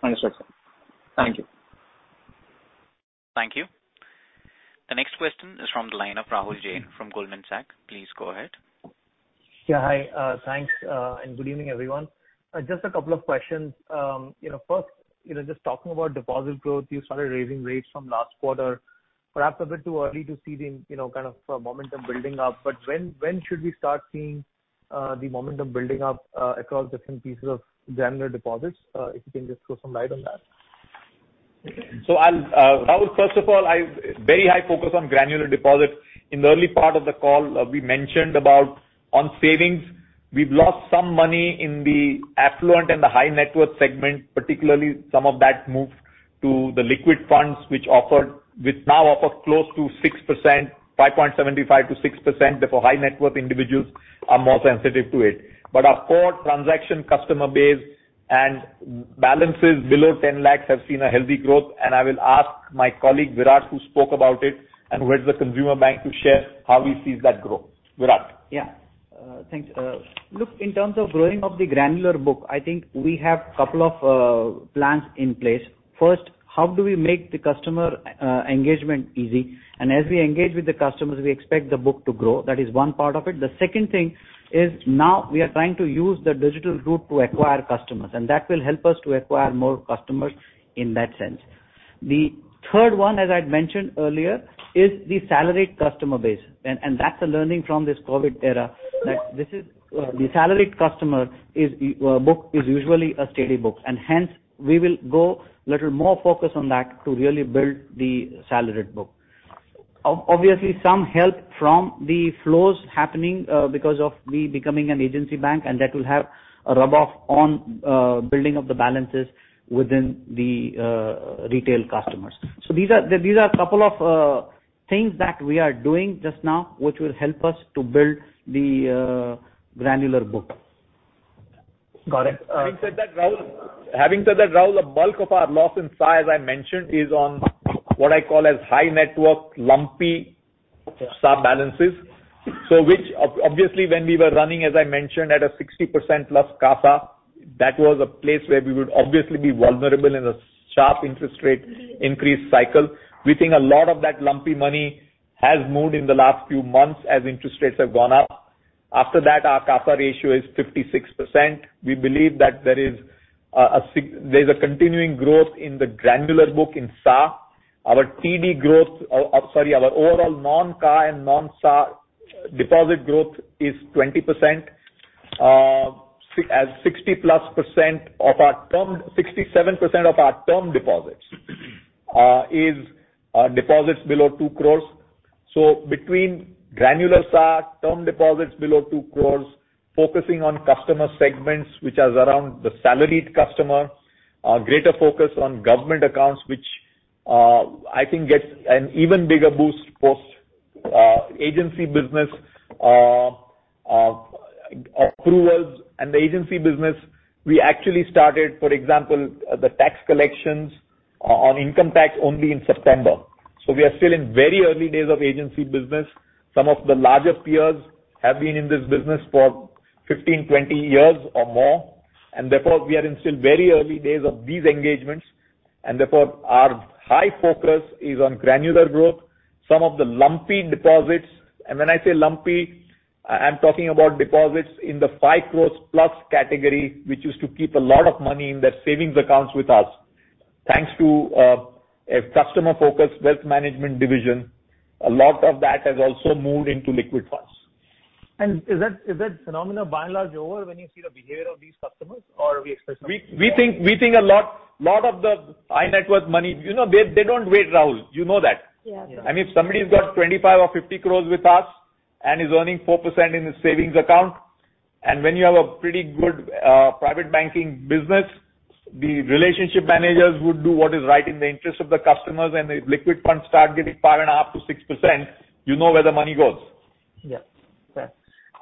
Understood, sir. Thank you. Thank you. The next question is from the line of Rahul Jain from Goldman Sachs. Please go ahead. Yeah. Hi. Thanks, and good evening, everyone. Just a couple of questions. You know, first, you know, just talking about deposit growth, you started raising rates from last quarter, perhaps a bit too early to see the, you know, kind of momentum building up. When should we start seeing the momentum building up across different pieces of granular deposits? If you can just throw some light on that. Rahul, first of all, I have very high focus on granular deposits. In the early part of the call, we mentioned about on savings, we've lost some money in the affluent and the high net worth segment, particularly some of that moved to the liquid funds which offered, which now offer close to 6%, 5.75%-6%, therefore high net worth individuals are more sensitive to it. Our core transaction customer base and balances below 10 lakhs have seen a healthy growth, and I will ask my colleague Virat who spoke about it and who heads the consumer bank to share how he sees that grow. Virat. Yeah. Thanks. Look, in terms of growing of the granular book, I think we have couple of plans in place. First, how do we make the customer engagement easy? As we engage with the customers, we expect the book to grow. That is one part of it. The second thing is, now we are trying to use the digital route to acquire customers, and that will help us to acquire more customers in that sense. The third one, as I'd mentioned earlier, is the salaried customer base, and that's a learning from this COVID era, that this is the salaried customer book is usually a steady book, and hence we will go little more focused on that to really build the salaried book. Obviously, some help from the flows happening, because of we becoming an agency bank, and that will have a rub off on building of the balances within the retail customers. These are a couple of things that we are doing just now, which will help us to build the granular book. Got it. Having said that, Rahul, the bulk of our loss in SA, as I mentioned, is on what I call as high net worth lumpy sub-balances. Which obviously, when we were running, as I mentioned, at a 60%+ CASA, that was a place where we would obviously be vulnerable in a sharp interest rate increase cycle. We think a lot of that lumpy money has moved in the last few months as interest rates have gone up. After that, our CASA ratio is 56%. We believe that there is a continuing growth in the granular book in SA. Our TD growth, sorry, our overall non-CA and non-SA deposit growth is 20%. 67% of our term deposits is deposits below 2 crores. Between granular SA, term deposits below 2 crore, focusing on customer segments which are around the salaried customer, a greater focus on government accounts, which, I think gets an even bigger boost post agency business approvals. The agency business, we actually started, for example, the tax collections on income tax only in September, so we are still in very early days of agency business. Some of the larger peers have been in this business for 15, 20 years or more, and therefore we are in still very early days of these engagements. Therefore, our high focus is on granular growth. Some of the lumpy deposits, and when I say lumpy, I'm talking about deposits in the 5 crore plus category, which used to keep a lot of money in their savings accounts with us. Thanks to a customer-focused wealth management division, a lot of that has also moved into liquid funds. Is that phenomenon by and large over when you see the behavior of these customers or are we expecting? We think a lot of the high net worth money, you know, they don't wait, Rahul, you know that. Yeah. I mean, if somebody's got 25 crore or 50 crore with us and is earning 4% in his savings account, and when you have a pretty good private banking business, the relationship managers would do what is right in the interest of the customers and if liquid funds start getting 5.5%-6%, you know where the money goes. Yeah. Fair.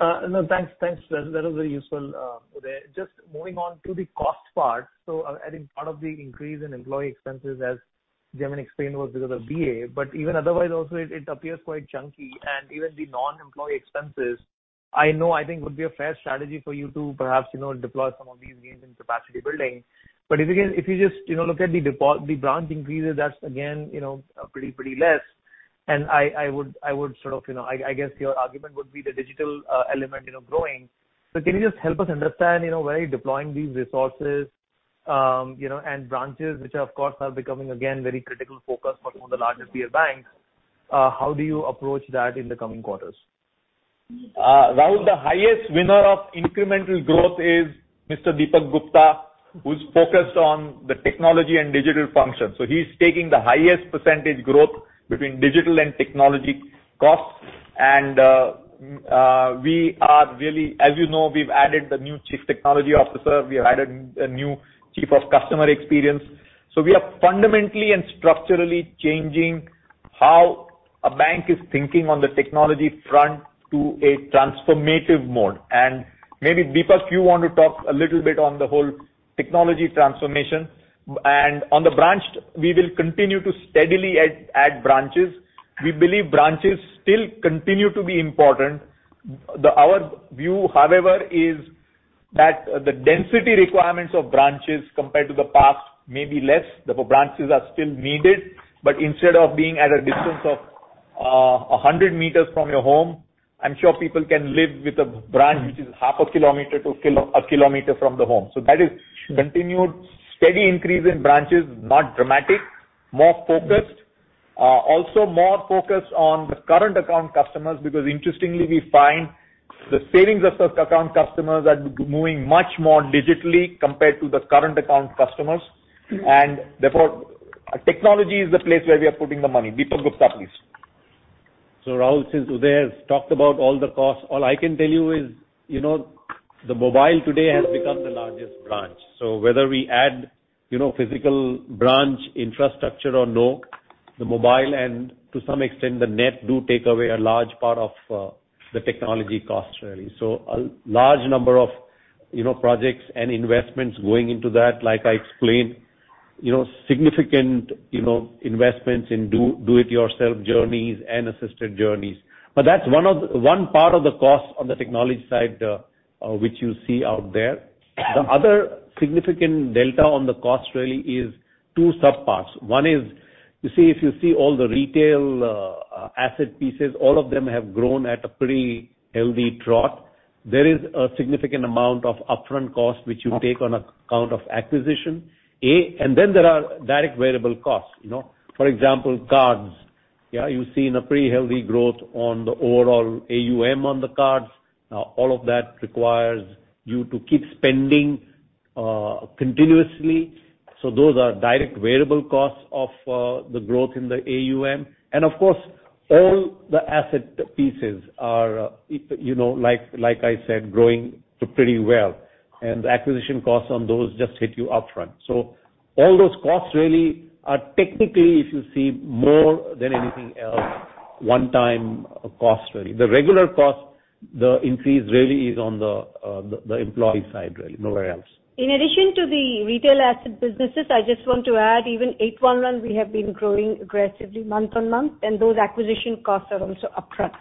No, thanks. Thanks for that. That was very useful, Uday. Just moving on to the cost part. I think part of the increase in employee expenses, as Jaimin explained, was because of BA. Even otherwise also it appears quite chunky. Even the non-employee expenses, I know, I think would be a fair strategy for you to perhaps, you know, deploy some of these gains in capacity building. If you can, if you just, you know, look at the branch increases, that's again, you know, pretty less. I would sort of, you know, I guess your argument would be the digital element, you know, growing. Can you just help us understand, you know, where are you deploying these resources, you know, and branches which of course are becoming again very critical focus for some of the larger tier banks? How do you approach that in the coming quarters? Rahul, the highest winner of incremental growth is Mr. Dipak Gupta, who's focused on the technology and digital function. He's taking the highest percentage growth between digital and technology costs. We are really, as you know, we've added the new chief technology officer. We have added a new chief of customer experience. We are fundamentally and structurally changing how a bank is thinking on the technology front to a transformative mode. Maybe, Dipak, you want to talk a little bit on the whole technology transformation. On the branch, we will continue to steadily add branches. We believe branches still continue to be important. Our view, however, is that the density requirements of branches compared to the past may be less, therefore, branches are still needed, but instead of being at a distance of 100 meters from your home, I'm sure people can live with a branch which is half a kilometer to a kilometer from the home. That is continued steady increase in branches, not dramatic, more focused. Also more focused on the current account customers because interestingly we find the savings of such account customers are moving much more digitally compared to the current account customers. Therefore, technology is the place where we are putting the money. Dipak Gupta, please. Rahul, since Uday has talked about all the costs, all I can tell you is, you know, the mobile today has become the largest branch. Whether we add, you know, physical branch infrastructure or no, the mobile and to some extent the net do take away a large part of the technology cost really. A large number of, you know, projects and investments going into that, like I explained, you know, significant, you know, investments in do-it-yourself journeys and assisted journeys. But that's one part of the cost on the technology side, which you see out there. The other significant delta on the cost really is two sub-parts. One is, you see, if you see all the retail asset pieces, all of them have grown at a pretty healthy trot. There is a significant amount of upfront cost which you take on account of acquisition, A. Then there are direct variable costs, you know. For example, cards. Yeah, you've seen a pretty healthy growth on the overall AUM on the cards. All of that requires you to keep spending continuously. Those are direct variable costs of the growth in the AUM. Of course, all the asset pieces are, you know, like I said, growing pretty well. The acquisition costs on those just hit you upfront. All those costs really are technically, if you see more than anything else. One-time cost, really. The regular cost, the increase really is on the employee side really, nowhere else. In addition to the retail asset businesses, I just want to add even 811 we have been growing aggressively month-on-month, and those acquisition costs are also upfront.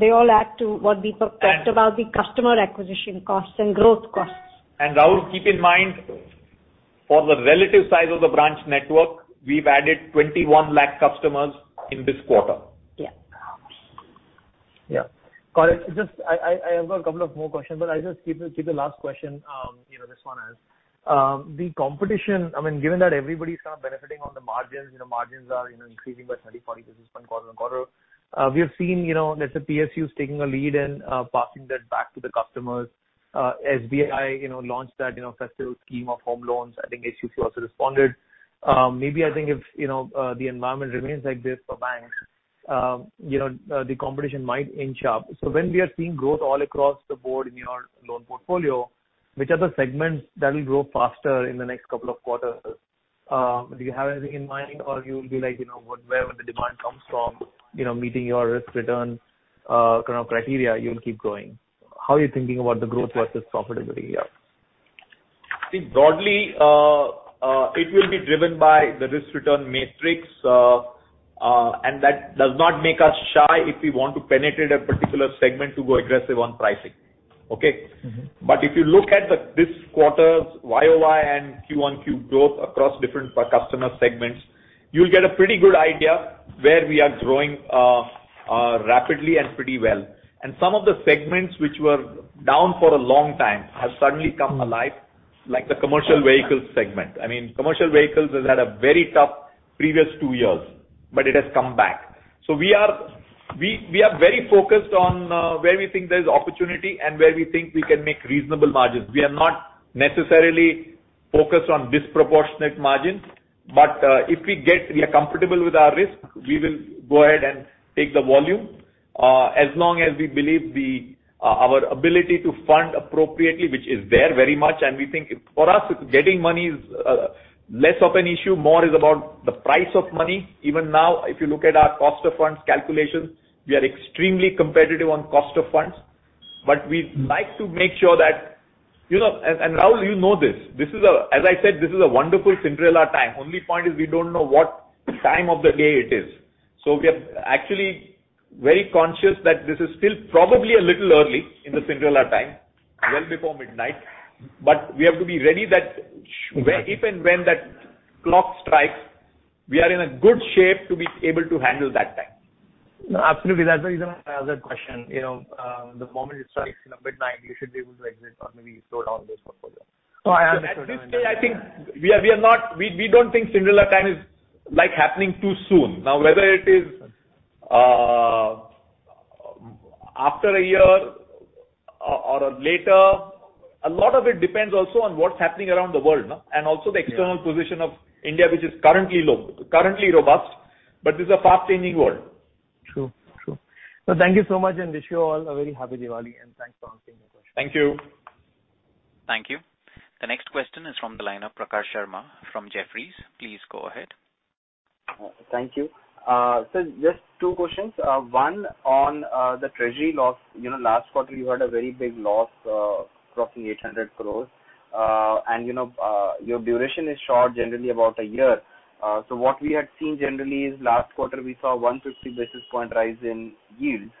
They all add to what we talked about, the customer acquisition costs and growth costs. Rahul, keep in mind for the relative size of the branch network, we've added 21 lakh customers in this quarter. Yeah. Yeah. Got it. Just I have got a couple of more questions, but I'll just keep the last question, this one is. The competition, I mean, given that everybody's kind of benefiting on the margins are increasing by 20-40 basis points quarter-on-quarter. We have seen that the PSU is taking a lead in passing that back to the customers. SBI launched that festival scheme of home loans. I think HFC also responded. Maybe I think if the environment remains like this for banks, the competition might inch up. When we are seeing growth all across the board in your loan portfolio, which are the segments that will grow faster in the next couple of quarters? Do you have anything in mind or you'll be like, you know, wherever the demand comes from, you know, meeting your risk return, kind of criteria, you'll keep going. How are you thinking about the growth versus profitability here? See, broadly, it will be driven by the risk-return matrix, and that does not make us shy if we want to penetrate a particular segment to go aggressive on pricing. Okay. Mm-hmm. If you look at this quarter's YOY and Q-on-Q growth across different customer segments, you'll get a pretty good idea where we are growing rapidly and pretty well. Some of the segments which were down for a long time have suddenly come alive, like the commercial vehicles segment. I mean, commercial vehicles has had a very tough previous two years, but it has come back. We are very focused on where we think there's opportunity and where we think we can make reasonable margins. We are not necessarily focused on disproportionate margins, but if we get We are comfortable with our risk, we will go ahead and take the volume, as long as we believe our ability to fund appropriately, which is there very much and we think for us getting money is less of an issue, more is about the price of money. Even now, if you look at our cost of funds calculations, we are extremely competitive on cost of funds. We like to make sure that, you know, and Rahul, you know this. As I said, this is a wonderful Cinderella time. Only point is we don't know what time of the day it is. We are actually very conscious that this is still probably a little early in the Cinderella time, well before midnight. We have to be ready that sh- Exactly. If and when that clock strikes, we are in a good shape to be able to handle that time. No, absolutely. That's the reason I asked that question. You know, the moment it strikes, you know, midnight, you should be able to exit or maybe slow down this portfolio. No, I understand. At this stage, I think we don't think Cinderella time is like happening too soon. Now, whether it is after a year or later, a lot of it depends also on what's happening around the world, no? Also the external position of India, which is currently robust, but this is a fast changing world. True. True. No, thank you so much, and wish you all a very happy Diwali, and thanks for answering my questions. Thank you. Thank you. The next question is from the line of Prakhar Sharma from Jefferies. Please go ahead. Thank you. Just two questions. One on the treasury loss. You know, last quarter you had a very big loss, crossing 800 crore. You know, your duration is short, generally about a year. What we had seen generally is last quarter we saw 150 basis point rise in yields,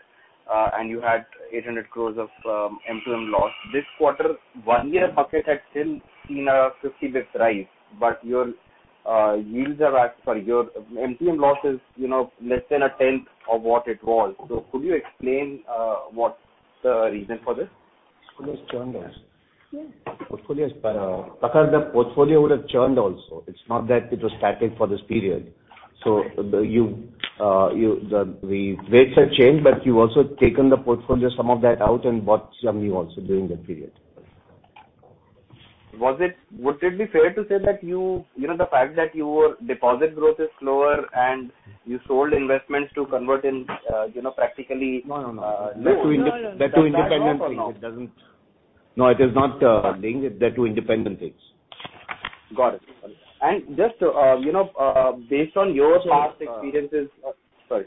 and you had 800 crore of MTM loss. This quarter, 10-year market had still seen a 50 basis points rise, but your yields are at, sorry, your MTM loss is, you know, less than a tenth of what it was. Could you explain what's the reason for this? Portfolio has churned. Yes. Portfolio has been, Prakhar, the portfolio would have churned also. It's not that it was static for this period. The rates have changed, but you've also taken the portfolio, some of that out and bought some new also during that period. Would it be fair to say that, you know, the fact that your deposit growth is slower and you sold investments to convert in, you know, practically- No, no. That's two independent things. Does that add up or no? It doesn't. No, it is not linked. They're two independent things. Got it. Just, you know, based on your past experiences. Sorry.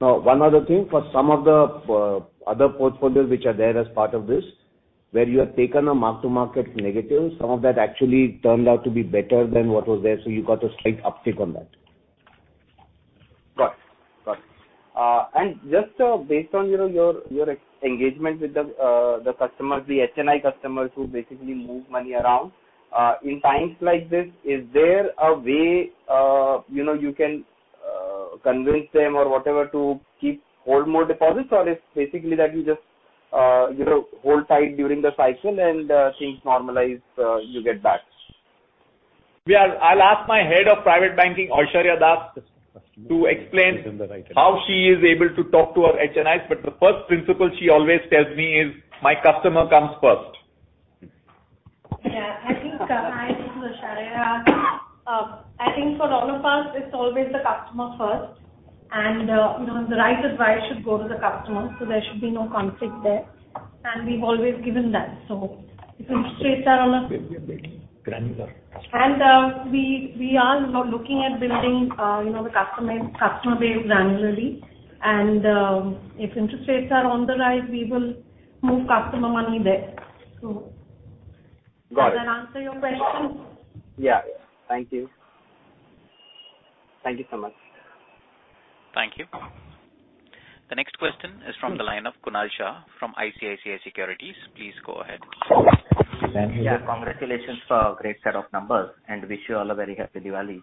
No, one other thing. For some of the other portfolios which are there as part of this, where you have taken a mark-to-market negative, some of that actually turned out to be better than what was there, so you got a slight uptick on that. Got it. Just based on, you know, your engagement with the customers, the HNI customers who basically move money around in times like this, is there a way, you know, you can convince them or whatever to keep hold more deposits? It's basically that you just, you know, hold tight during the cycle and things normalize, you get back? I'll ask my head of private banking, Oisharya Das, to explain how she is able to talk to our HNIs, but the first principle she always tells me is, "My customer comes first. I think, hi, this is Oisharya. I think for all of us, it's always the customer first and, you know, the right advice should go to the customer, so there should be no conflict there. We've always given that. If interest rates are on a- We are building granular customer. We are now looking at building, you know, the customer base granularly. If interest rates are on the rise, we will move customer money there. Got it. Does that answer your question? Yeah. Thank you. Thank you so much. Thank you. The next question is from the line of Kunal Shah from ICICI Securities. Please go ahead. Thank you. Yeah. Congratulations for a great set of numbers and wish you all a very happy Diwali.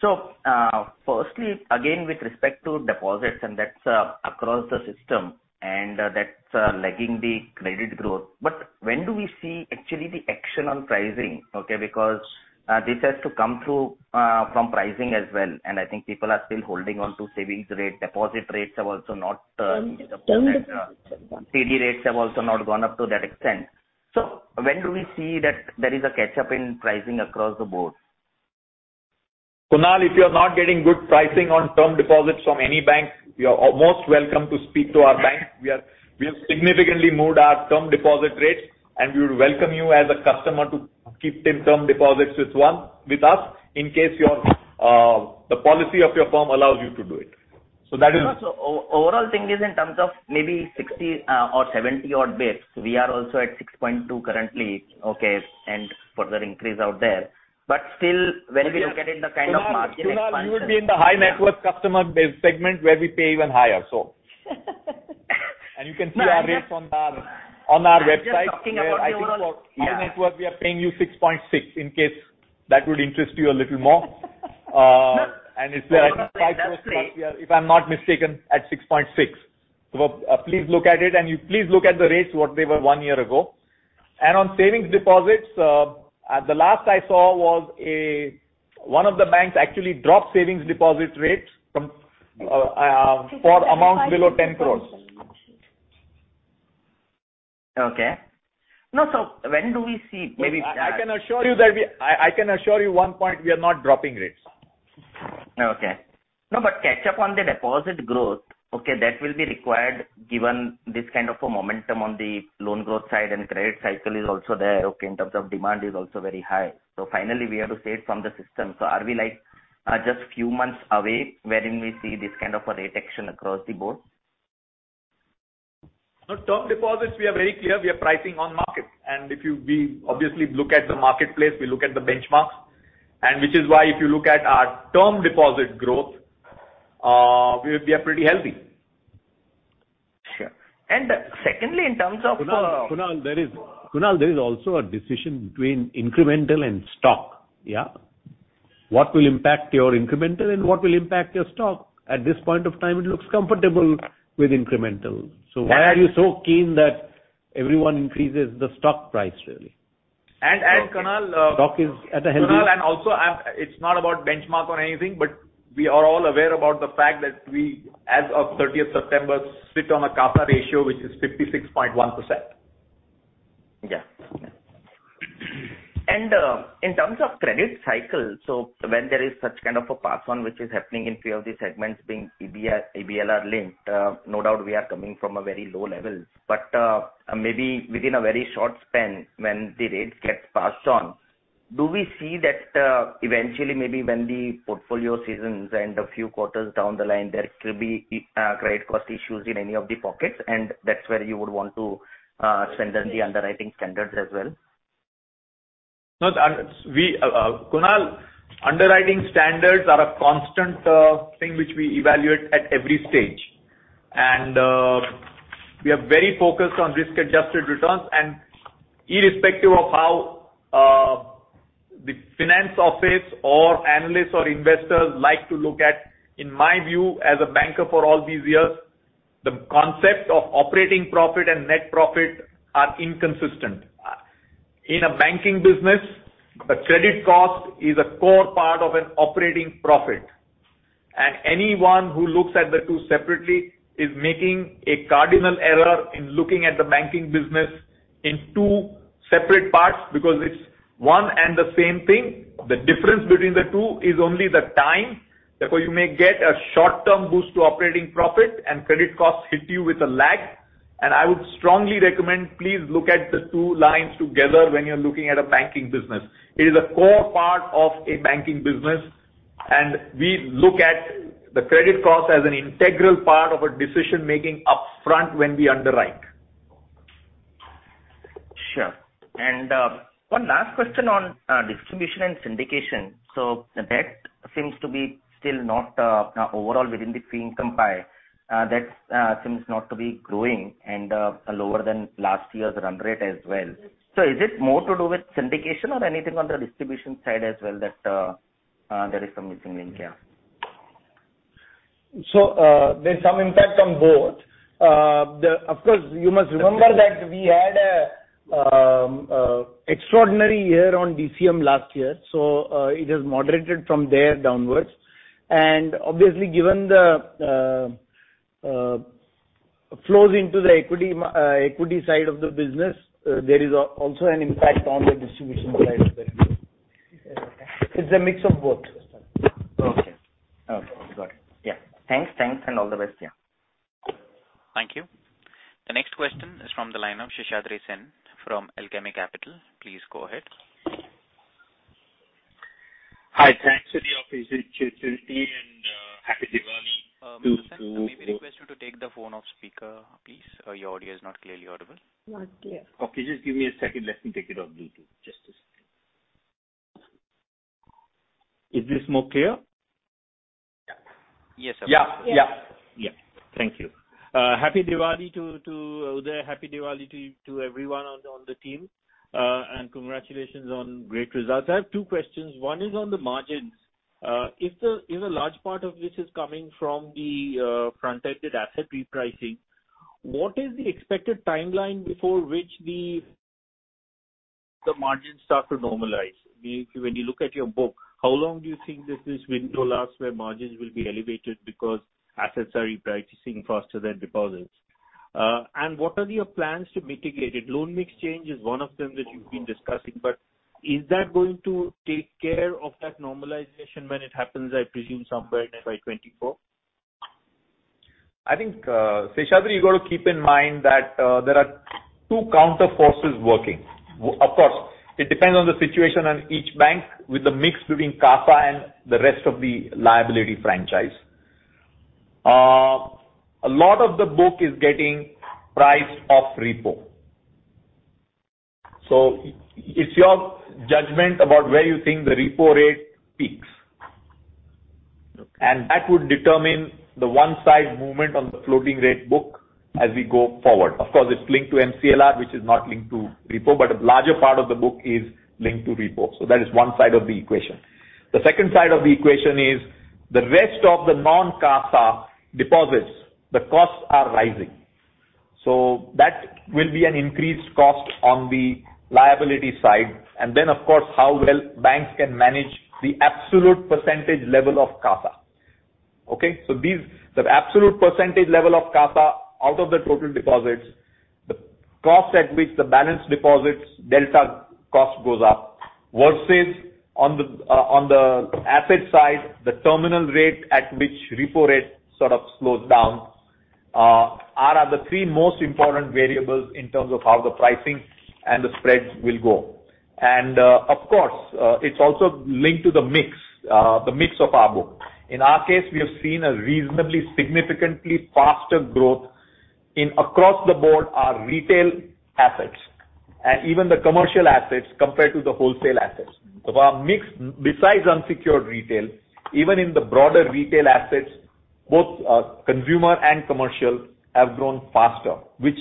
Firstly, again, with respect to deposits, and that's across the system, and that's lagging the credit growth, but when do we see actually the action on pricing? Okay, because this has to come through from pricing as well. I think people are still holding on to savings rate. Deposit rates have also not, CD rates have also not gone up to that extent. When do we see that there is a catch-up in pricing across the board? Kunal, if you're not getting good pricing on term deposits from any bank, you are most welcome to speak to our bank. We have significantly moved our term deposit rates, and we would welcome you as a customer to keep term deposits with us, in case your, the policy of your firm allows you to do it. That is. No. Overall thing is in terms of maybe 60 or 70 odd basis points. We are also at 6.2% currently, okay, and further increase out there. Still, when we look at it, the kind of margin expansion- Kunal, you would be in the high net worth customer base segment where we pay even higher, so. You can see our rates on our website. I'm just talking about your. I think for your net worth, we are paying you 6.6% in case that would interest you a little more. It's the high net worth if I'm not mistaken, at 6.6%. Please look at it and you please look at the rates what they were one year ago. On savings deposits, at the last I saw was one of the banks actually dropped savings deposit rates from, for amounts below INR 10 crore. Okay. No. When do we see maybe? I can assure you one point, we are not dropping rates. Okay. No, but catch up on the deposit growth, okay. That will be required given this kind of a momentum on the loan growth side and credit cycle is also there, okay, in terms of demand is also very high. Finally, we have to save from the system. Are we like just few months away wherein we see this kind of a rate action across the board? No. Term deposits, we are very clear, we are pricing on market. We obviously look at the marketplace, we look at the benchmarks, and which is why if you look at our term deposit growth, we are pretty healthy. Sure. Secondly, in terms of, Kunal, there is also a decision between incremental and stock. Yeah. What will impact your incremental and what will impact your stock? At this point of time, it looks comfortable with incremental. Why are you so keen that everyone increases the stock price really? Kunal Stock is at a healthy. Kunal, it's not about benchmark or anything, but we are all aware about the fact that we, as of thirtieth September, sit on a CASA ratio, which is 56.1%. Yeah. Yeah. In terms of credit cycle, so when there is such kind of a pass on which is happening in few of the segments being EBLR linked, no doubt we are coming from a very low level. Maybe within a very short span when the rates get passed on, do we see that, eventually, maybe when the portfolio seasons and a few quarters down the line, there will be credit cost issues in any of the pockets, and that's where you would want to strengthen the underwriting standards as well? No. We, Kunal, underwriting standards are a constant thing which we evaluate at every stage. We are very focused on risk-adjusted returns and irrespective of how the finance office or analysts or investors like to look at, in my view, as a banker for all these years, the concept of operating profit and net profit are inconsistent. In a banking business, a credit cost is a core part of an operating profit, and anyone who looks at the two separately is making a cardinal error in looking at the banking business in two separate parts because it's one and the same thing. The difference between the two is only the time. Therefore, you may get a short-term boost to operating profit and credit costs hit you with a lag. I would strongly recommend, please look at the two lines together when you're looking at a banking business. It is a core part of a banking business, and we look at the credit cost as an integral part of a decision-making upfront when we underwrite. Sure. One last question on distribution and syndication. That seems to be still not overall within the fee income pie that seems not to be growing and lower than last year's run rate as well. Is it more to do with syndication or anything on the distribution side as well that there is some missing link here? There's some impact on both. Of course, you must remember that we had an extraordinary year on DCM last year, so it has moderated from there downwards. Obviously, given the flows into the equity side of the business, there is also an impact on the distribution side of the business. Okay. It's a mix of both. Yeah. Thanks. Thanks and all the best. Yeah. Thank you. The next question is from the line of Seshadri Sen from Alchemy Capital. Please go ahead. Hi. Thanks to the office, and Happy Diwali. Mr. Sen, may we request you to take the phone off speaker, please? Your audio is not clearly audible. Not clear. Okay, just give me a second. Let me take it off Bluetooth. Just a second. Is this more clear? Yeah. Yes, sir. Yeah. Thank you. Happy Diwali to Uday, happy Diwali to everyone on the team. And congratulations on great results. I have two questions. One is on the margins. If a large part of this is coming from the front-ended asset repricing, what is the expected timeline before which the margins start to normalize? When you look at your book, how long do you think this window lasts where margins will be elevated because assets are repricing faster than deposits? And what are your plans to mitigate it? Loan mix change is one of them that you've been discussing, but is that going to take care of that normalization when it happens, I presume somewhere by 2024? I think, Seshadri, you got to keep in mind that there are two counter forces working. Of course, it depends on the situation and each bank with the mix between CASA and the rest of the liability franchise. A lot of the book is getting priced off repo. It's your judgment about where you think the repo rate peaks. Okay. That would determine the one side movement on the floating rate book as we go forward. Of course, it's linked to MCLR, which is not linked to repo, but a larger part of the book is linked to repo. That is one side of the equation. The second side of the equation is the rest of the non-CASA deposits, the costs are rising. That will be an increased cost on the liability side. Then, of course, how well banks can manage the absolute percentage level of CASA. Okay? These, the absolute percentage level of CASA out of the total deposits, the cost at which the balance deposits delta cost goes up, versus on the asset side, the terminal rate at which repo rate sort of slows down, are the three most important variables in terms of how the pricing and the spreads will go. Of course, it's also linked to the mix of our book. In our case, we have seen a reasonably significantly faster growth in across the board our retail assets and even the commercial assets compared to the wholesale assets. Our mix, besides unsecured retail, even in the broader retail assets, both consumer and commercial have grown faster, which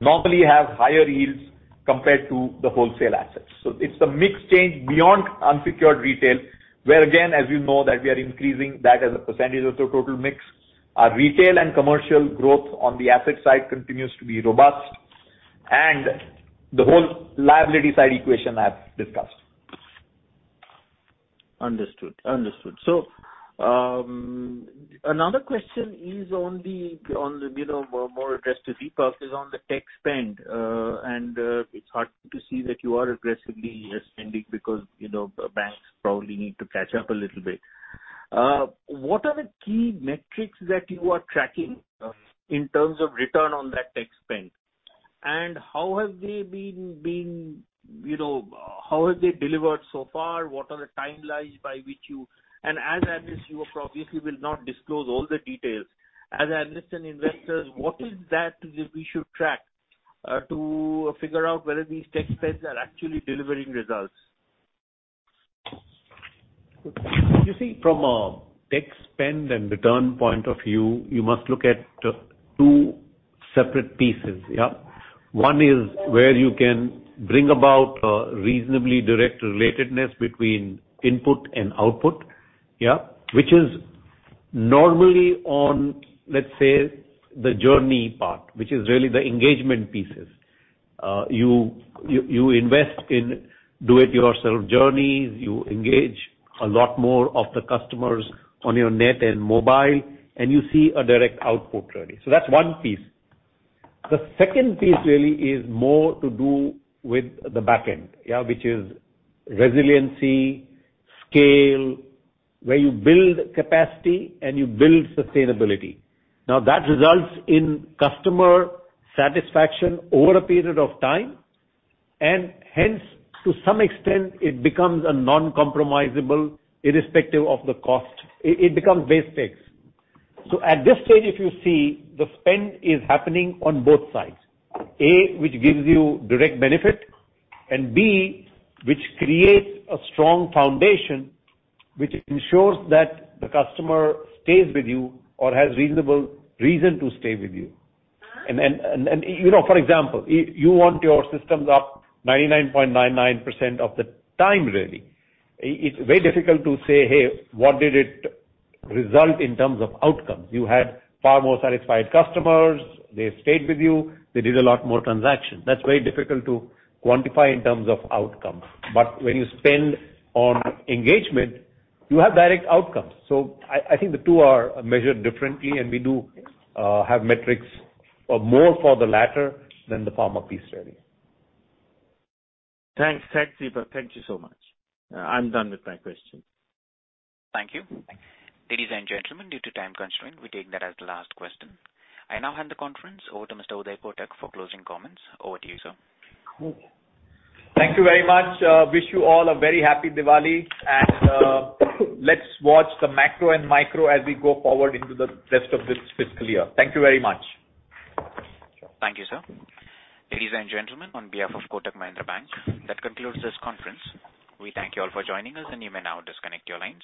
normally have higher yields compared to the wholesale assets. It's the mix change beyond unsecured retail, where again, as you know, that we are increasing that as a percentage of the total mix. Our retail and commercial growth on the asset side continues to be robust. The whole liability side equation I've discussed. Understood. Another question is on the, you know, more addressed to Deepak is on the tech spend. It's hard to see that you are aggressively spending because, you know, banks probably need to catch up a little bit. What are the key metrics that you are tracking in terms of return on that tech spend? And how have they been, you know, how have they delivered so far? What are the timelines by which you and as I understand, you obviously will not disclose all the details. As I understand, investors, what is that we should track, to figure out whether these tech spends are actually delivering results? You see, from a tech spend and return point of view, you must look at two separate pieces. Yeah? One is where you can bring about a reasonably direct relatedness between input and output. Yeah? Which is normally on, let's say, the journey part, which is really the engagement pieces. You invest in do-it-yourself journeys, you engage a lot more of the customers on your net and mobile, and you see a direct output really. That's one piece. The second piece really is more to do with the back end. Yeah. Which is resiliency, scale, where you build capacity and you build sustainability. Now, that results in customer satisfaction over a period of time, and hence, to some extent, it becomes a non-compromisable irrespective of the cost. It becomes basics. At this stage, if you see, the spend is happening on both sides. A, which gives you direct benefit, and B, which creates a strong foundation which ensures that the customer stays with you or has reasonable reason to stay with you. You know, for example, you want your systems up 99.99% of the time, really. It's very difficult to say, "Hey, what did it result in terms of outcomes?" You had far more satisfied customers. They stayed with you. They did a lot more transactions. That's very difficult to quantify in terms of outcomes. When you spend on engagement, you have direct outcomes. I think the two are measured differently, and we do have metrics more for the latter than the former piece really. Thanks. Thanks, Dipak. Thank you so much. I'm done with my question. Thank you. Ladies and gentlemen, due to time constraint, we take that as the last question. I now hand the conference over to Mr. Uday Kotak for closing comments. Over to you, sir. Thank you very much. Wish you all a very happy Diwali, and let's watch the macro and micro as we go forward into the rest of this fiscal year. Thank you very much. Thank you, sir. Ladies and gentlemen, on behalf of Kotak Mahindra Bank, that concludes this conference. We thank you all for joining us, and you may now disconnect your lines.